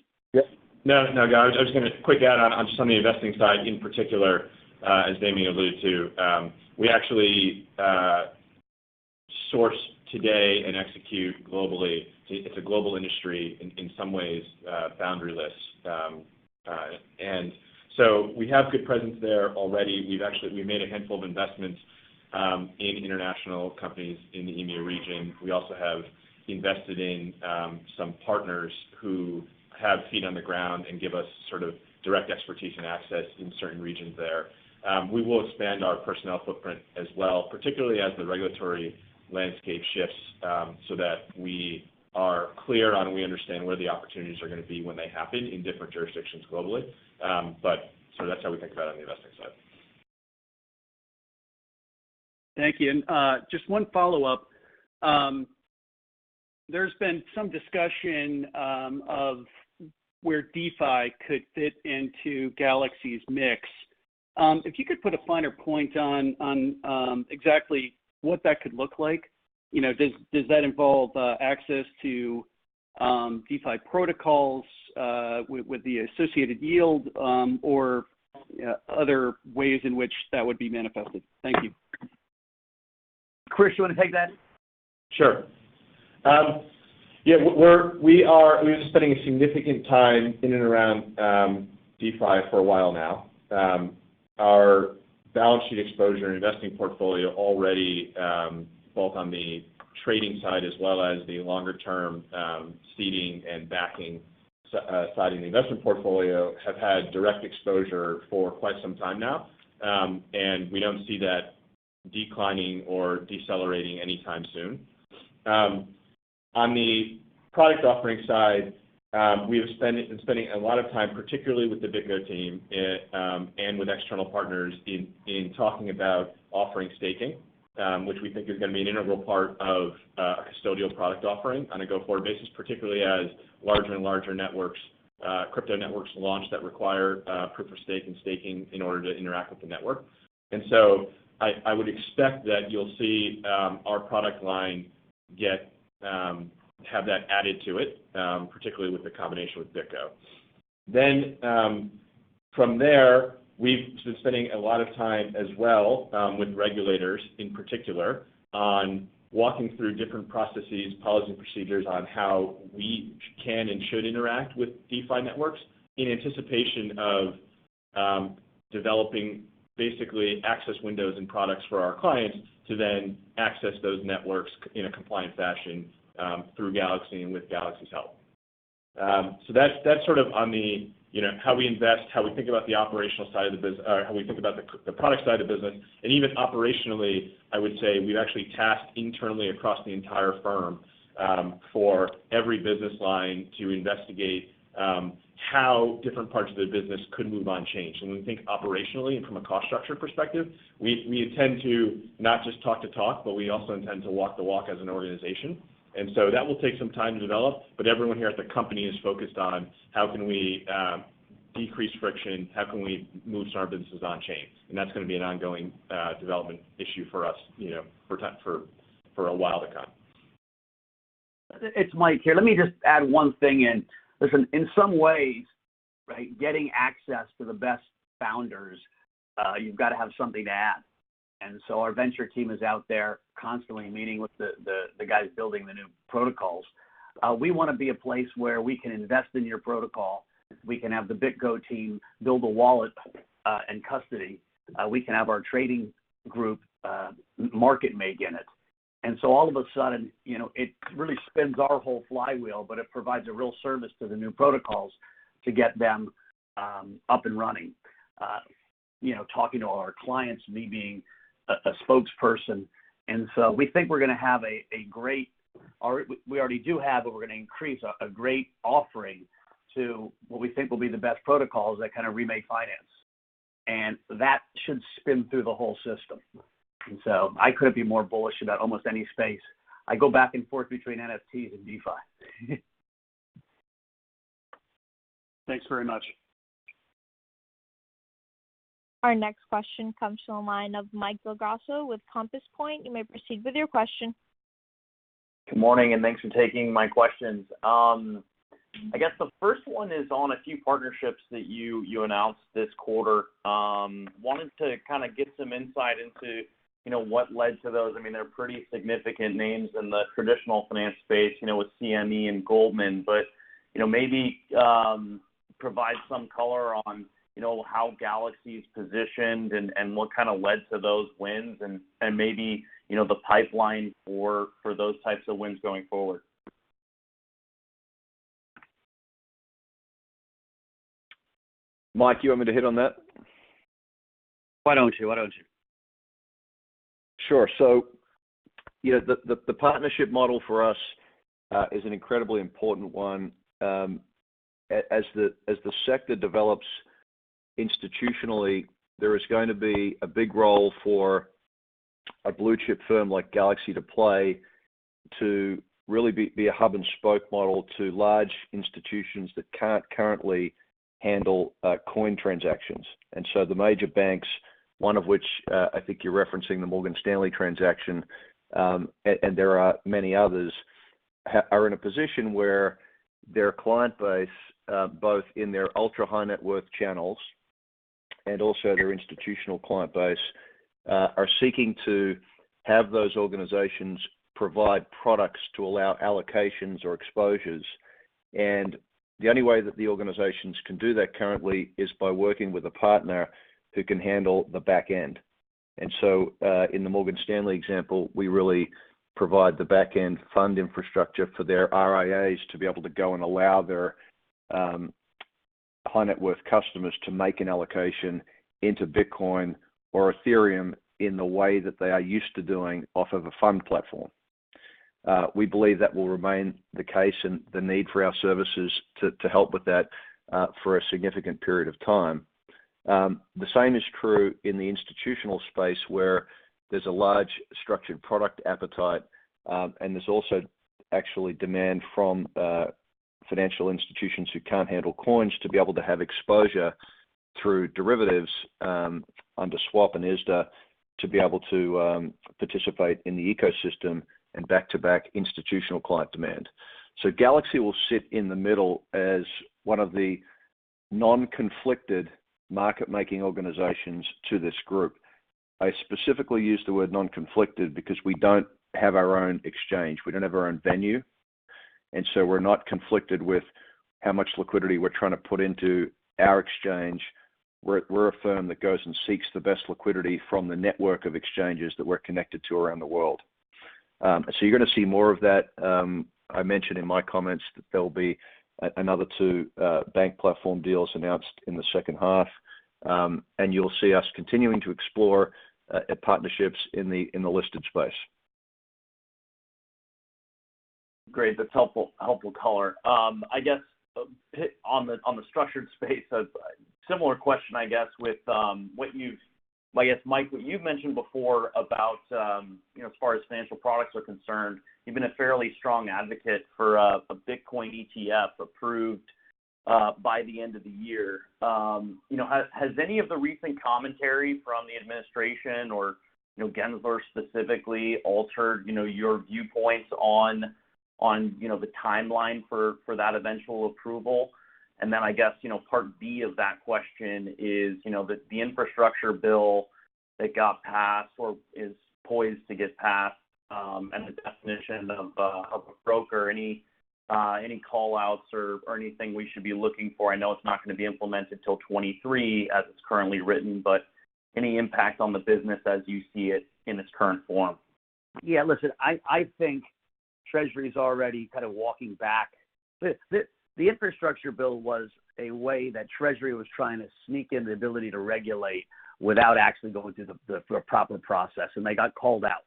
No, Guy, I was just going to quick add on, just on the investing side in particular, as Damien alluded to, we actually source today and execute globally. It's a global industry, in some ways, boundaryless. We have good presence there already. We've made a handful of investments in international companies in the EMEA region. We also have invested in some partners who have feet on the ground and give us sort of direct expertise and access in certain regions there. We will expand our personnel footprint as well, particularly as the regulatory landscape shifts, so that we are clear on, we understand where the opportunities are going to be when they happen in different jurisdictions globally. That's how we think about it on the investing side. Thank you. Just one follow-up. There's been some discussion of where DeFi could fit into Galaxy's mix. If you could put a finer point on exactly what that could look like. Does that involve access to DeFi protocols with the associated yield, or other ways in which that would be manifested? Thank you. Chris, you want to take that? Sure. Yeah, we are spending a significant time in and around DeFi for a while now. Our balance sheet exposure and investing portfolio already, both on the trading side as well as the longer-term seeding and backing side of the investment portfolio, have had direct exposure for quite some time now. We don't see that declining or decelerating anytime soon. On the product offering side, we have been spending a lot of time, particularly with the BitGo team, and with external partners in talking about offering staking, which we think is going to be an integral part of our custodial product offering on a go-forward basis, particularly as larger and larger crypto networks launch that require proof of stake and staking in order to interact with the network. I would expect that you'll see our product line have that added to it, particularly with the combination with BitGo. We've been spending a lot of time as well with regulators, in particular, on walking through different processes, policies, and procedures on how we can and should interact with DeFi networks in anticipation of developing basically access windows and products for our clients to then access those networks in a compliant fashion through Galaxy and with Galaxy's help. That's sort of on how we invest, how we think about the product side of the business. Even operationally, I would say we've actually tasked internally across the entire firm for every business line to investigate how different parts of the business could move on chain. When we think operationally and from a cost structure perspective, we intend to not just talk the talk, but we also intend to walk the walk as an organization. That will take some time to develop, but everyone here at the company is focused on how can we decrease friction, how can we move certain businesses on chains, and that's going to be an ongoing development issue for us for a while to come. It's Mike here. Let me just add one thing in. Listen, in some ways, getting access to the best founders, you've got to have something to add. Our venture team is out there constantly meeting with the guys building the new protocols. We want to be a place where we can invest in your protocol. We can have the BitGo team build a wallet and custody. We can have our trading group market make in it. All of a sudden, it really spins our whole flywheel, it provides a real service to the new protocols to get them up and running, talking to our clients, me being a spokesperson. We think we already do have, we're going to increase a great offering to what we think will be the best protocols that kind of remake finance. That should spin through the whole system. I couldn't be more bullish about almost any space. I go back and forth between NFTs and DeFi. Thanks very much. Our next question comes from the line of Michael Del Grosso with Compass Point. You may proceed with your question. Good morning. Thanks for taking my questions. I guess the first one is on a few partnerships that you announced this quarter. Wanted to kind of get some insight into what led to those. They're pretty significant names in the traditional finance space, with CME and Goldman, but maybe provide some color on how Galaxy's positioned and what kind of led to those wins and maybe the pipeline for those types of wins going forward. Mike, you want me to hit on that? Why don't you? Sure. The partnership model for us is an incredibly important one. As the sector develops institutionally, there is going to be a big role for a blue-chip firm like Galaxy to play to really be a hub and spoke model to large institutions that can't currently handle coin transactions. The major banks, one of which I think you're referencing the Morgan Stanley transaction, and there are many others, are in a position where their client base, both in their ultra-high net worth channels and also their institutional client base, are seeking to have those organizations provide products to allow allocations or exposures. The only way that the organizations can do that currently is by working with a partner who can handle the back end. In the Morgan Stanley example, we really provide the back end fund infrastructure for their RIAs to be able to go and allow their high net worth customers to make an allocation into Bitcoin or Ethereum in the way that they are used to doing off of a fund platform. We believe that will remain the case and the need for our services to help with that for a significant period of time. The same is true in the institutional space where there's a large structured product appetite, and there's also actually demand from financial institutions who can't handle coins to be able to have exposure through derivatives under swap and ISDA to be able to participate in the ecosystem and back-to-back institutional client demand. Galaxy will sit in the middle as one of the non-conflicted market-making organizations to this group. I specifically use the word non-conflicted because we don't have our own exchange. We don't have our own venue, and so we're not conflicted with how much liquidity we're trying to put into our exchange. We're a firm that goes and seeks the best liquidity from the network of exchanges that we're connected to around the world. You're going to see more of that. I mentioned in my comments that there'll be another two bank platform deals announced in the second half, and you'll see us continuing to explore partnerships in the listed space. Great. That's helpful color. I guess, on the structured space, a similar question, I guess, Mike, what you've mentioned before about as far as financial products are concerned, you've been a fairly strong advocate for a Bitcoin ETF approved by the end of the year. Has any of the recent commentary from the administration or Gensler specifically altered your viewpoints on the timeline for that eventual approval? Then I guess, part B of that question is, the infrastructure bill that got passed or is poised to get passed and the definition of a broker, any call-outs or anything we should be looking for? I know it's not going to be implemented till 2023 as it's currently written, but any impact on the business as you see it in its current form? Yeah, listen, I think Treasury's already kind of walking back. The infrastructure bill was a way that Treasury was trying to sneak in the ability to regulate without actually going through a proper process, and they got called out.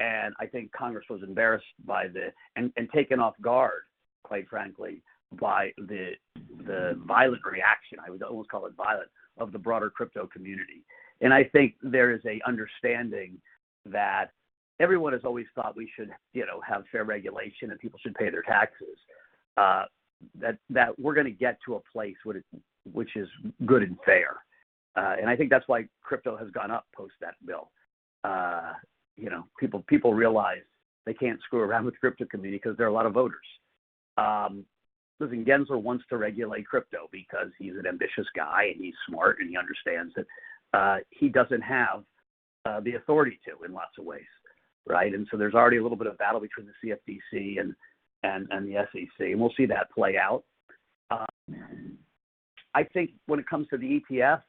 I think Congress was embarrassed by this and taken off guard, quite frankly, by the violent reaction, I would almost call it violent, of the broader crypto community. I think there is a understanding that everyone has always thought we should have fair regulation and people should pay their taxes, that we're going to get to a place which is good and fair. I think that's why crypto has gone up post that bill. People realize they can't screw around with the crypto community because there are a lot of voters. Listen, Gensler wants to regulate crypto because he's an ambitious guy, and he's smart, and he understands that he doesn't have the authority to in lots of ways. Right? There's already a little bit of battle between the CFTC and the SEC, and we'll see that play out. I think when it comes to the ETF,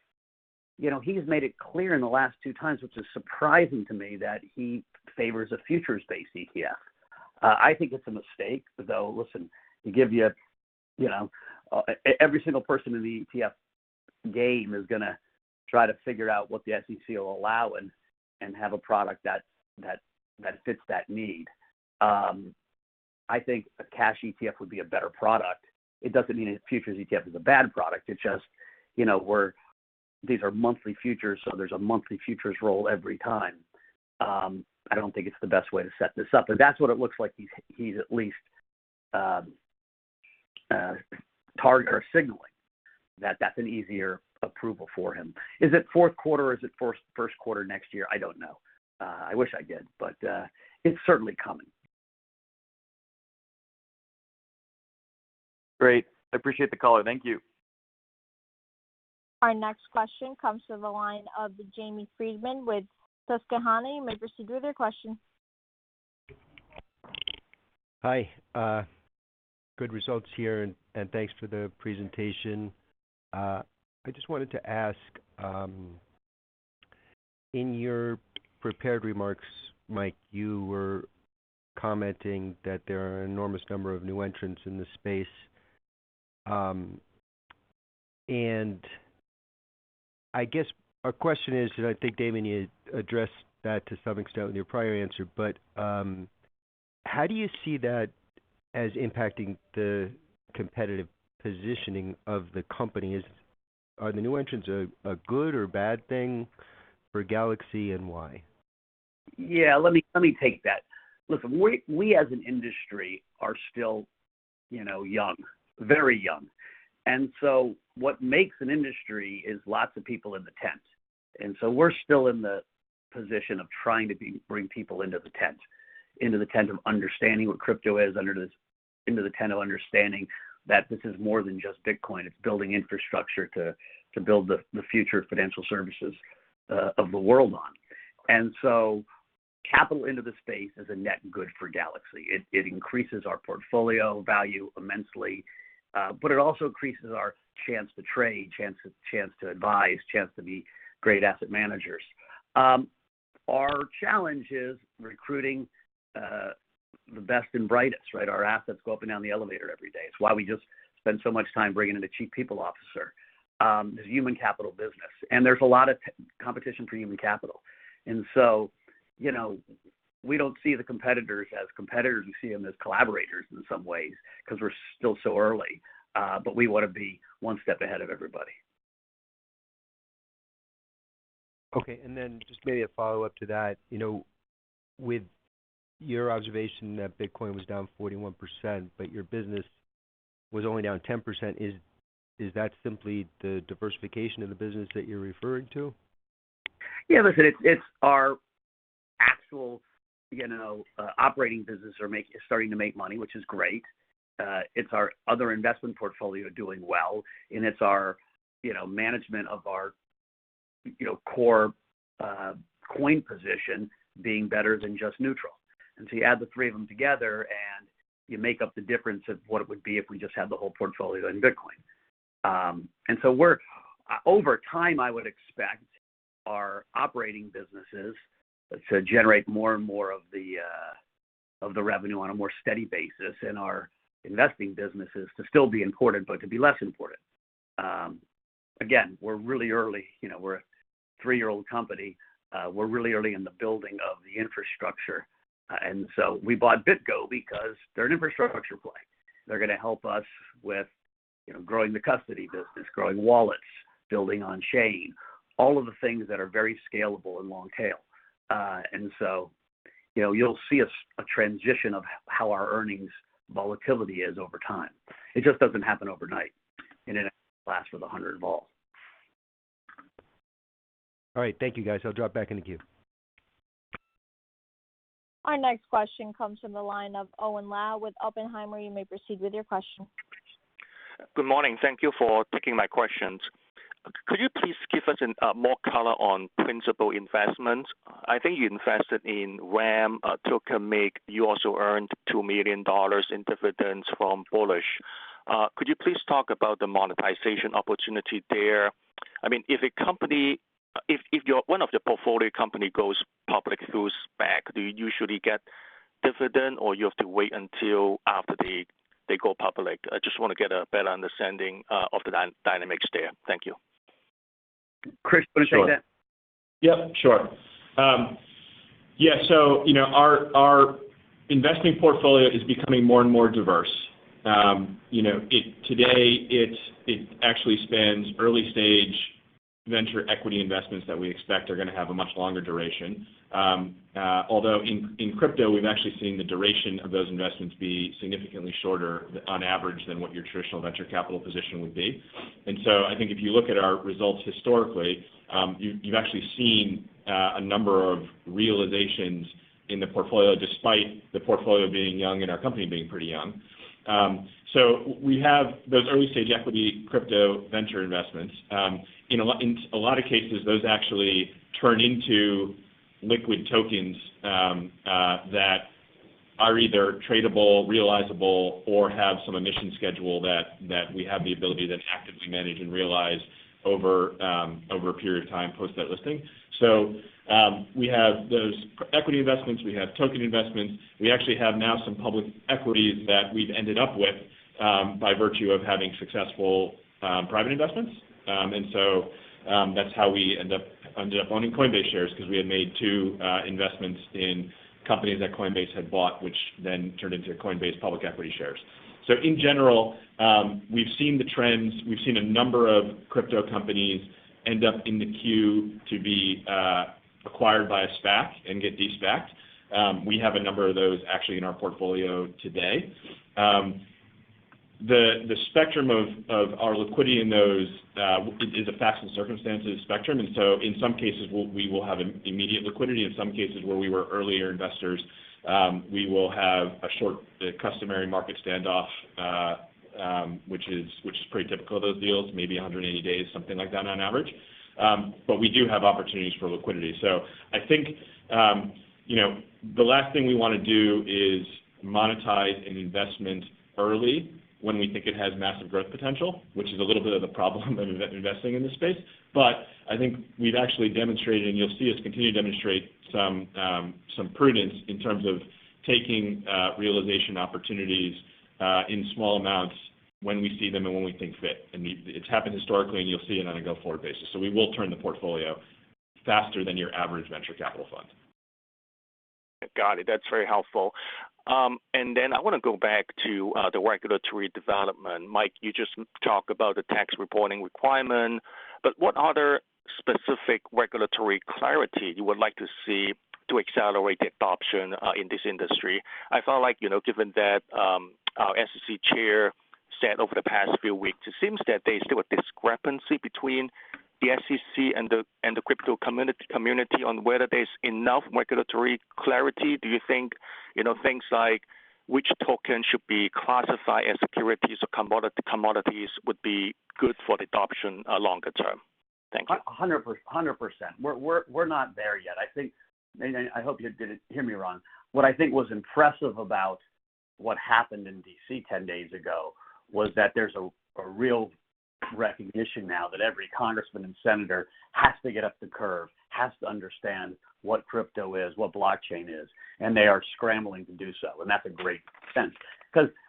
he has made it clear in the last 2 times, which is surprising to me, that he favors a futures-based ETF. I think it's a mistake, though. Listen, every single person in the ETF game is going to try to figure out what the SEC will allow and have a product that fits that need. I think a cash ETF would be a better product. It doesn't mean a futures ETF is a bad product. It's just these are monthly futures, so there's a monthly futures roll every time. I don't think it's the best way to set this up. That's what it looks like he's at least they're signaling that that's an easier approval for him. Is it fourth quarter or is it first quarter next year? I don't know. I wish I did. It's certainly coming. Great. I appreciate the color. Thank you. Our next question comes from the line of Jamie Friedman with Susquehanna. You may proceed with your question. Hi. Good results here, and thanks for the presentation. I just wanted to ask, in your prepared remarks, Mike, you were commenting that there are an enormous number of new entrants in this space. I guess our question is, I think, Damien, you addressed that to some extent in your prior answer, but how do you see that as impacting the competitive positioning of the company? Are the new entrants a good or bad thing for Galaxy, and why? Yeah, let me take that. Listen, we as an industry are still young, very young. What makes an industry is lots of people in the tent. We're still in the position of trying to bring people into the tent, into the tent of understanding what crypto is, into the tent of understanding that this is more than just Bitcoin. It's building infrastructure to build the future of financial services of the world on. Capital into the space is a net good for Galaxy. It increases our portfolio value immensely, but it also increases our chance to trade, chance to advise, chance to be great asset managers. Our challenge is recruiting the best and brightest, right? Our assets go up and down the elevator every day. It's why we just spent so much time bringing in a Chief People Officer. This is human capital business, and there's a lot of competition for human capital. We don't see the competitors as competitors. We see them as collaborators in some ways because we're still so early, but we want to be one step ahead of everybody. Okay, just maybe a follow-up to that. With your observation that Bitcoin was down 41%, but your business was only down 10%, is that simply the diversification of the business that you're referring to? Listen, it's our actual operating business is starting to make money, which is great. It's our other investment portfolio doing well, and it's our management of our core coin position being better than just neutral. You add the three of them together, and you make up the difference of what it would be if we just had the whole portfolio in Bitcoin. Over time, I would expect our operating businesses to generate more and more of the revenue on a more steady basis and our investing businesses to still be important, but to be less important. Again, we're really early. We're a three-year-old company. We're really early in the building of the infrastructure. We bought BitGo because they're an infrastructure play. They're going to help us with growing the custody business, growing wallets, building on chain, all of the things that are very scalable and long tail. You'll see a transition of how our earnings volatility is over time. It just doesn't happen overnight in a class with 100 volts. All right. Thank you, guys. I'll drop back in the queue. Our next question comes from the line of Owen Lau with Oppenheimer. You may proceed with your question. Good morning. Thank you for taking my questions. Could you please give us more color on principal investments? I think you invested in Ramp, Tokemak. You also earned $2 million in dividends from Bullish. Could you please talk about the monetization opportunity there? If one of your portfolio company goes public through SPAC, do you usually get dividend or you have to wait until after they go public? I just want to get a better understanding of the dynamics there. Thank you. Chris, want to take that? Sure. Yep, sure. Our investing portfolio is becoming more and more diverse. Today, it actually spans early-stage venture equity investments that we expect are going to have a much longer duration. Although in crypto, we've actually seen the duration of those investments be significantly shorter on average than what your traditional venture capital position would be. I think if you look at our results historically, you've actually seen a number of realizations in the portfolio despite the portfolio being young and our company being pretty young. We have those early-stage equity crypto venture investments. In a lot of cases, those actually turn into liquid tokens that are either tradable, realizable, or have some emission schedule that we have the ability to actively manage and realize over a period of time post that listing. We have those equity investments. We have token investments. We actually have now some public equities that we've ended up with by virtue of having successful private investments. That's how we ended up owning Coinbase shares because we had made two investments in companies that Coinbase had bought, which then turned into Coinbase public equity shares. In general, we've seen the trends. We've seen a number of crypto companies end up in the queue to be acquired by a SPAC and get de-SPAC'd. We have a number of those actually in our portfolio today. The spectrum of our liquidity in those is a facts and circumstances spectrum. In some cases, we will have immediate liquidity. In some cases where we were earlier investors, we will have a short customary market standoff, which is pretty typical of those deals, maybe 180 days, something like that on average. We do have opportunities for liquidity. I think the last thing we want to do is monetize an investment early when we think it has massive growth potential, which is a little bit of the problem of investing in this space. I think we've actually demonstrated, and you'll see us continue to demonstrate some prudence in terms of taking realization opportunities in small amounts when we see them and when we think fit. It's happened historically, and you'll see it on a go-forward basis. We will turn the portfolio faster than your average venture capital fund. Got it. That's very helpful. I want to go back to the regulatory development. Mike, you just talked about the tax reporting requirement, but what other specific regulatory clarity you would like to see to accelerate adoption in this industry? I felt like, given that our SEC Chair said over the past few weeks, it seems that there is still a discrepancy between the SEC and the crypto community on whether there's enough regulatory clarity. Do you think things like which token should be classified as securities or commodities would be good for adoption longer term? Thank you. 100%. We're not there yet. I hope you didn't hear me wrong. What I think was impressive about what happened in D.C. 10 days ago was that there's a real recognition now that every congressman and senator has to get up the curve, has to understand what crypto is, what blockchain is, and they are scrambling to do so, and that's a great sense.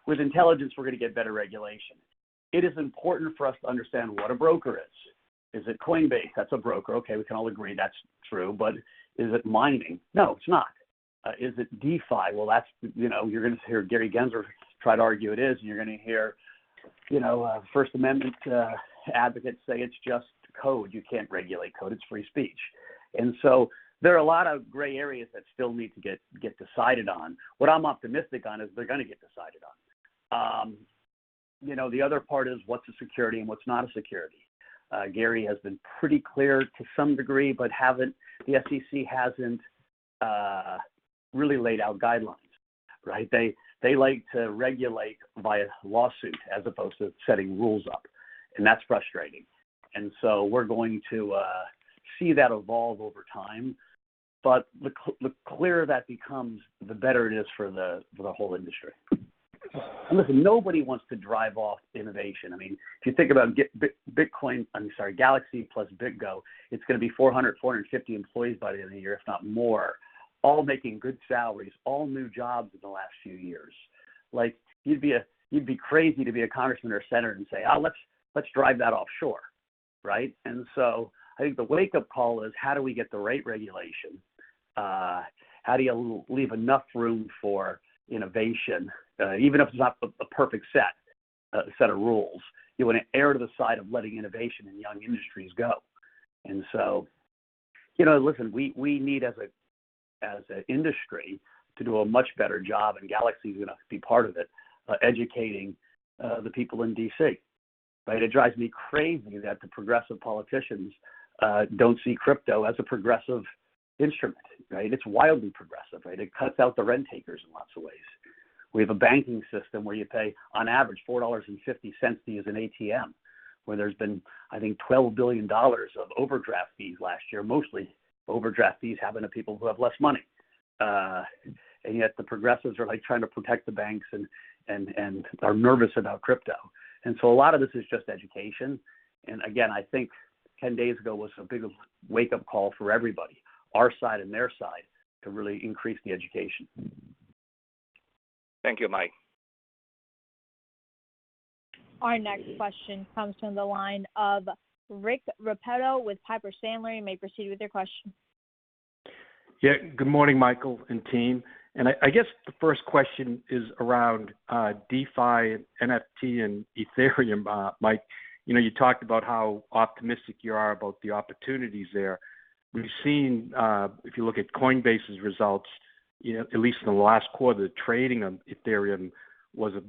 With intelligence, we're going to get better regulation. It is important for us to understand what a broker is. Is it Coinbase? That's a broker. Okay, we can all agree that's true. Is it mining? No, it's not. Is it DeFi? Well, you're going to hear Gary Gensler try to argue it is, and you're going to hear First Amendment advocates say it's just code. You can't regulate code. It's free speech. There are a lot of gray areas that still need to get decided on. What I'm optimistic on is they're going to get decided on. The other part is what's a security and what's not a security. Gary Gensler has been pretty clear to some degree, but the SEC hasn't really laid out guidelines, right? They like to regulate via lawsuit as opposed to setting rules up, and that's frustrating. We're going to see that evolve over time. The clearer that becomes, the better it is for the whole industry. Listen, nobody wants to drive off innovation. If you think about Bitcoin, I'm sorry, Galaxy Digital plus BitGo, it's going to be 400, 450 employees by the end of the year, if not more, all making good salaries, all new jobs in the last few years. You'd be crazy to be a congressman or senator and say, "Oh, let's drive that offshore." Right? I think the wake-up call is how do we get the right regulation? How do you leave enough room for innovation? Even if it's not a perfect set of rules, you want to err to the side of letting innovation in young industries go. Listen, we need as an industry to do a much better job, and Galaxy's going to be part of it, educating the people in D.C., right? It drives me crazy that the progressive politicians don't see crypto as a progressive instrument, right? It's wildly progressive, right? It cuts out the rent takers in lots of ways. We have a banking system where you pay, on average, $4.50 to use an ATM, where there's been, I think, $12 billion of overdraft fees last year. Mostly overdraft fees happen to people who have less money. Yet the progressives are trying to protect the banks and are nervous about crypto. A lot of this is just education. Again, I think 10 days ago was a big wake-up call for everybody, our side and their side, to really increase the education. Thank you, Mike. Our next question comes from the line of Richard Repetto with Piper Sandler. You may proceed with your question. Yeah. Good morning, Michael and team. I guess the first question is around DeFi, NFT, and Ethereum. Mike, you talked about how optimistic you are about the opportunities there. We've seen, if you look at Coinbase's results, at least in the last quarter, trading on Ethereum was a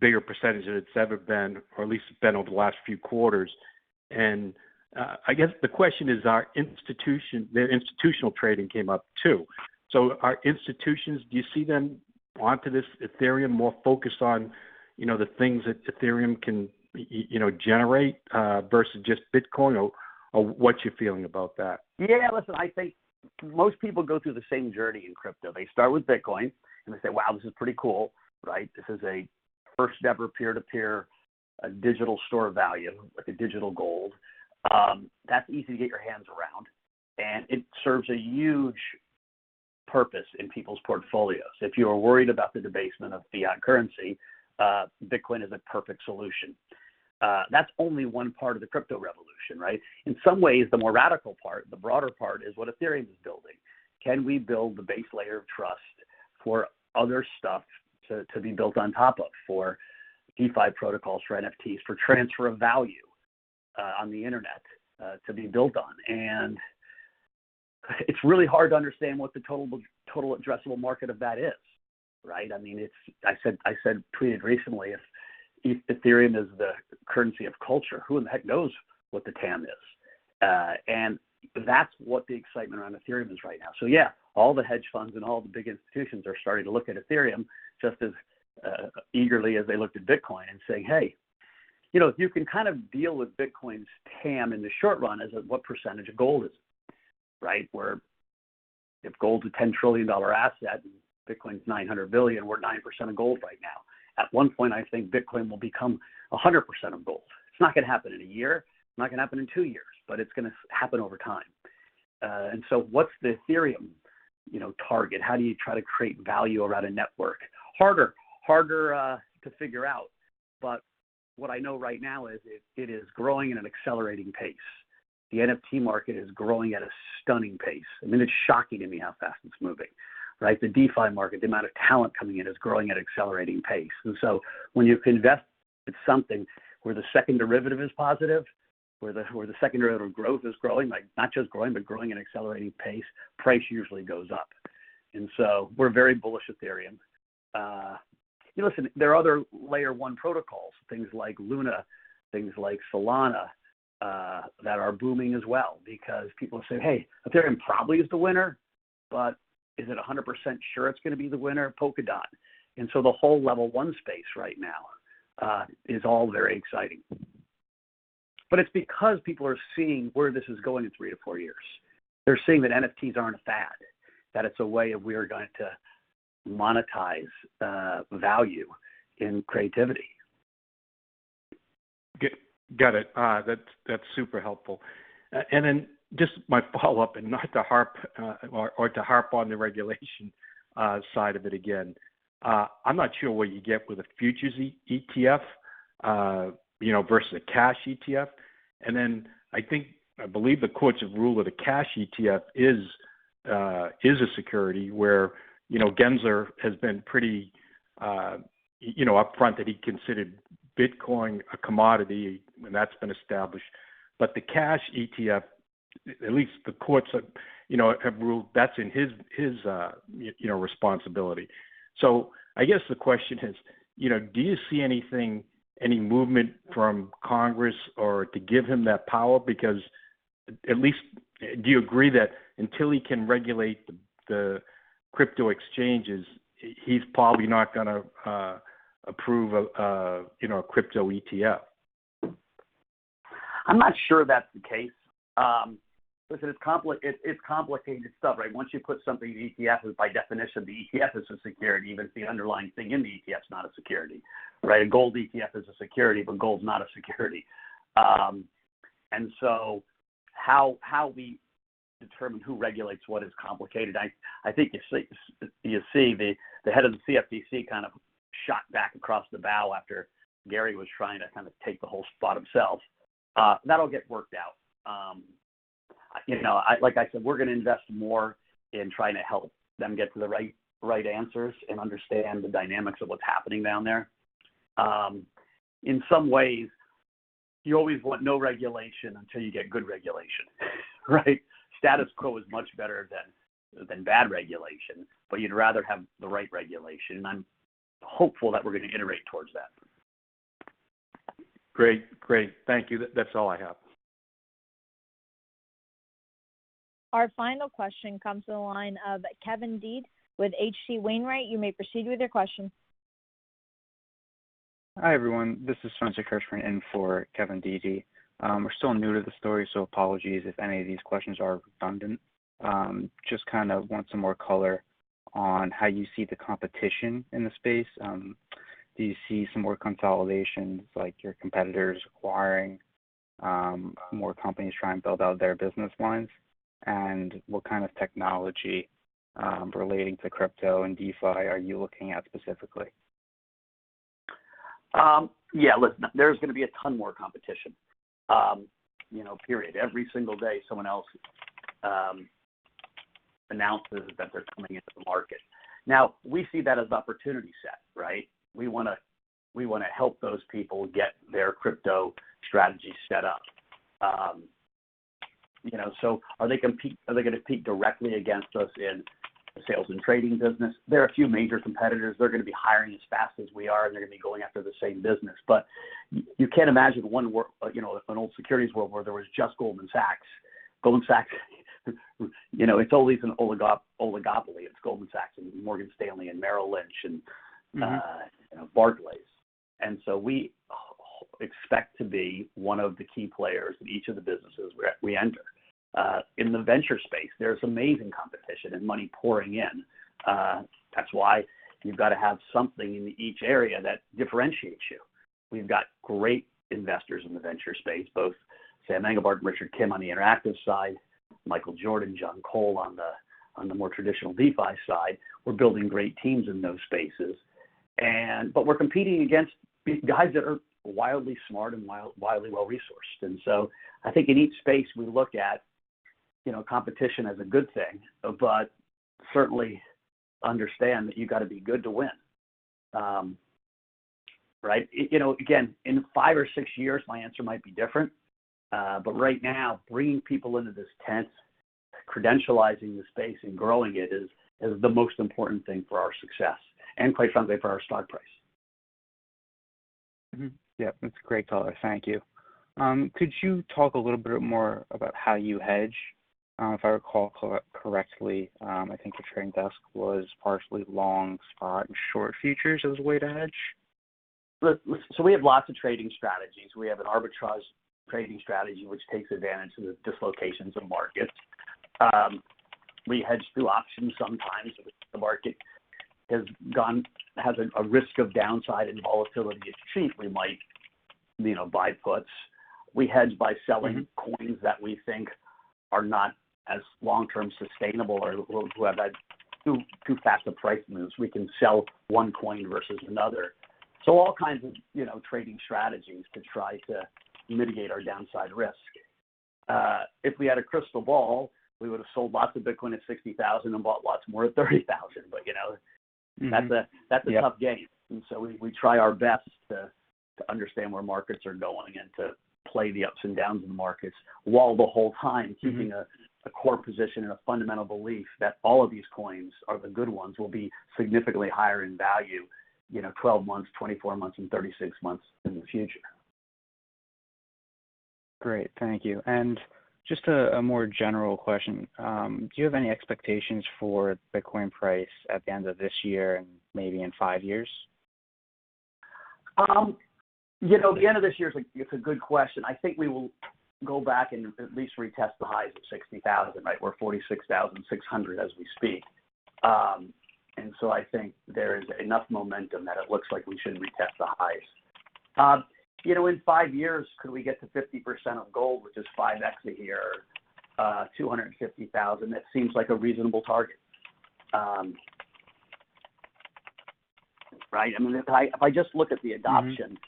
bigger percentage than it's ever been, or at least been over the last few quarters. I guess the question is their institutional trading came up, too. Our institutions, do you see them onto this Ethereum more focused on the things that Ethereum can generate versus just Bitcoin, or what's your feeling about that? Yeah, listen, I think most people go through the same journey in crypto. They start with Bitcoin, they say, "Wow, this is pretty cool." Right? This is a first-ever peer-to-peer digital store of value, like a digital gold. That's easy to get your hands around, it serves a huge purpose in people's portfolios. If you are worried about the debasement of fiat currency, Bitcoin is a perfect solution. That's only one part of the crypto revolution, right? In some ways, the more radical part, the broader part is what Ethereum is building. Can we build the base layer of trust for other stuff to be built on top of, for DeFi protocols, for NFTs, for transfer of value on the internet to be built on. It's really hard to understand what the total addressable market of that is. Right? I said, tweeted recently, if Ethereum is the currency of culture, who in the heck knows what the TAM is? That's what the excitement around Ethereum is right now. Yeah, all the hedge funds and all the big institutions are starting to look at Ethereum just as eagerly as they looked at Bitcoin and saying, "Hey." You can kind of deal with Bitcoin's TAM in the short run as what percentage of gold is. Right? Where if gold's a $10 trillion asset and Bitcoin's $900 billion, we're 9% of gold right now. At one point, I think Bitcoin will become 100% of gold. It's not going to happen in one year, it's not going to happen in two years, but it's going to happen over time. What's the Ethereum target? How do you try to create value around a network? Harder. Harder to figure out. What I know right now is it is growing at an accelerating pace. The NFT market is growing at a stunning pace. It's shocking to me how fast it's moving. Right. The DeFi market, the amount of talent coming in, is growing at an accelerating pace. When you invest in something where the second derivative is positive, where the second derivative growth is growing, not just growing, but growing at an accelerating pace, price usually goes up. We're very bullish Ethereum. Listen, there are other layer one protocols, things like Luna, things like Solana, that are booming as well because people are saying, "Hey, Ethereum probably is the winner, but is it 100% sure it's going to be the winner of Polkadot?" The whole layer one space right now is all very exciting. It's because people are seeing where this is going in three to four years. They're seeing that NFTs aren't a fad, that it's a way of we're going to monetize value in creativity. Got it. That's super helpful. Just my follow-up, not to harp on the regulation side of it again. I'm not sure what you get with a futures ETF versus a cash ETF. I believe the courts have ruled that a cash ETF is a security where Gary Gensler has been pretty upfront that he considered Bitcoin a commodity, and that's been established. The cash ETF, at least the courts have ruled that's in his responsibility. I guess the question is, do you see any movement from U.S. Congress to give him that power? At least, do you agree that until he can regulate the crypto exchanges, he's probably not going to approve a crypto ETF? I'm not sure that's the case. Listen, it's complicated stuff, right? Once you put something in an ETF, by definition, the ETF is a security, even if the underlying thing in the ETF's not a security. Right? A gold ETF is a security, but gold is not a security. How we determine who regulates what is complicated. I think you see the head of the CFTC kind of shot back across the bow after Gary was trying to kind of take the whole spot himself. That'll get worked out. Like I said, we're going to invest more in trying to help them get to the right answers and understand the dynamics of what's happening down there. In some ways, you always want no regulation until you get good regulation, right? Status quo is much better than bad regulation, but you'd rather have the right regulation, and I'm hopeful that we're going to iterate towards that. Great. Thank you. That's all I have. Our final question comes to the line of Kevin Dede with H.C. Wainwright. You may proceed with your question. Hi, everyone. This is Spencer Kirschman in for Kevin Dede. We're still new to the story, so apologies if any of these questions are redundant. Just kind of want some more color on how you see the competition in the space. Do you see some more consolidations, like your competitors acquiring more companies trying to build out their business lines? What kind of technology relating to crypto and DeFi are you looking at specifically? Listen, there's going to be a ton more competition. Period. Every single day, someone else announces that they're coming into the market. We see that as opportunity set, right? We want to help those people get their crypto strategy set up. Are they going to compete directly against us in the sales and trading business? There are a few major competitors. They're going to be hiring as fast as we are, and they're going to be going after the same business. You can't imagine an old securities world where there was just Goldman Sachs. Goldman Sachs, it's always an oligopoly. It's Goldman Sachs and Morgan Stanley and Merrill Lynch. Barclays. We expect to be one of the key players in each of the businesses we enter. In the venture space, there's amazing competition and money pouring in. That's why you've got to have something in each area that differentiates you. We've got great investors in the venture space, both Sam Englebardt and Richard Kim on the interactive side, Michael Jordan, Jon Kol on the more traditional DeFi side. We're building great teams in those spaces. We're competing against guys that are wildly smart and wildly well-resourced. I think in each space we look at competition as a good thing, but certainly understand that you've got to be good to win. In five or six years, my answer might be different, but right now, bringing people into this tent, credentializing the space and growing it is the most important thing for our success and quite frankly, for our stock price. Yep. That's a great color. Thank you. Could you talk a little bit more about how you hedge? If I recall correctly, I think the trading desk was partially long spot and short futures as a way to hedge. Look, we have lots of trading strategies. We have an arbitrage trading strategy, which takes advantage of the dislocations of markets. We hedge through options sometimes. If the market has a risk of downside and volatility is cheap, we might buy puts. We hedge by selling coins that we think are not as long-term sustainable or who have had too fast a price moves. We can sell one coin versus another. All kinds of trading strategies to try to mitigate our downside risk. If we had a crystal ball, we would've sold lots of Bitcoin at $60,000 and bought lots more at $30,000. That's a tough game. We try our best to understand where markets are going and to play the ups and downs in the markets while the whole time keeping a core position and a fundamental belief that all of these coins are the good ones, will be significantly higher in value 12 months, 24 months, and 36 months in the future. Great. Thank you. Just a more general question. Do you have any expectations for Bitcoin price at the end of this year and maybe in five years? The end of this year is a good question. I think we will go back and at least retest the highs of $60,000. We're $46,600 as we speak. I think there is enough momentum that it looks like we should retest the highs. In five years, could we get to 50% of gold, which is 5x a year, $250,000? That seems like a reasonable target. If I just look at the adoption,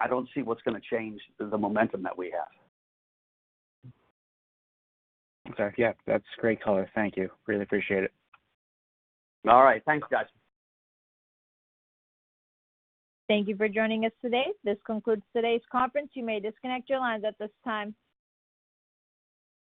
I don't see what's going to change the momentum that we have. Okay. Yeah, that's great color. Thank you. Really appreciate it. All right. Thanks, guys. Thank you for joining us today. This concludes today's conference. You may disconnect your lines at this time.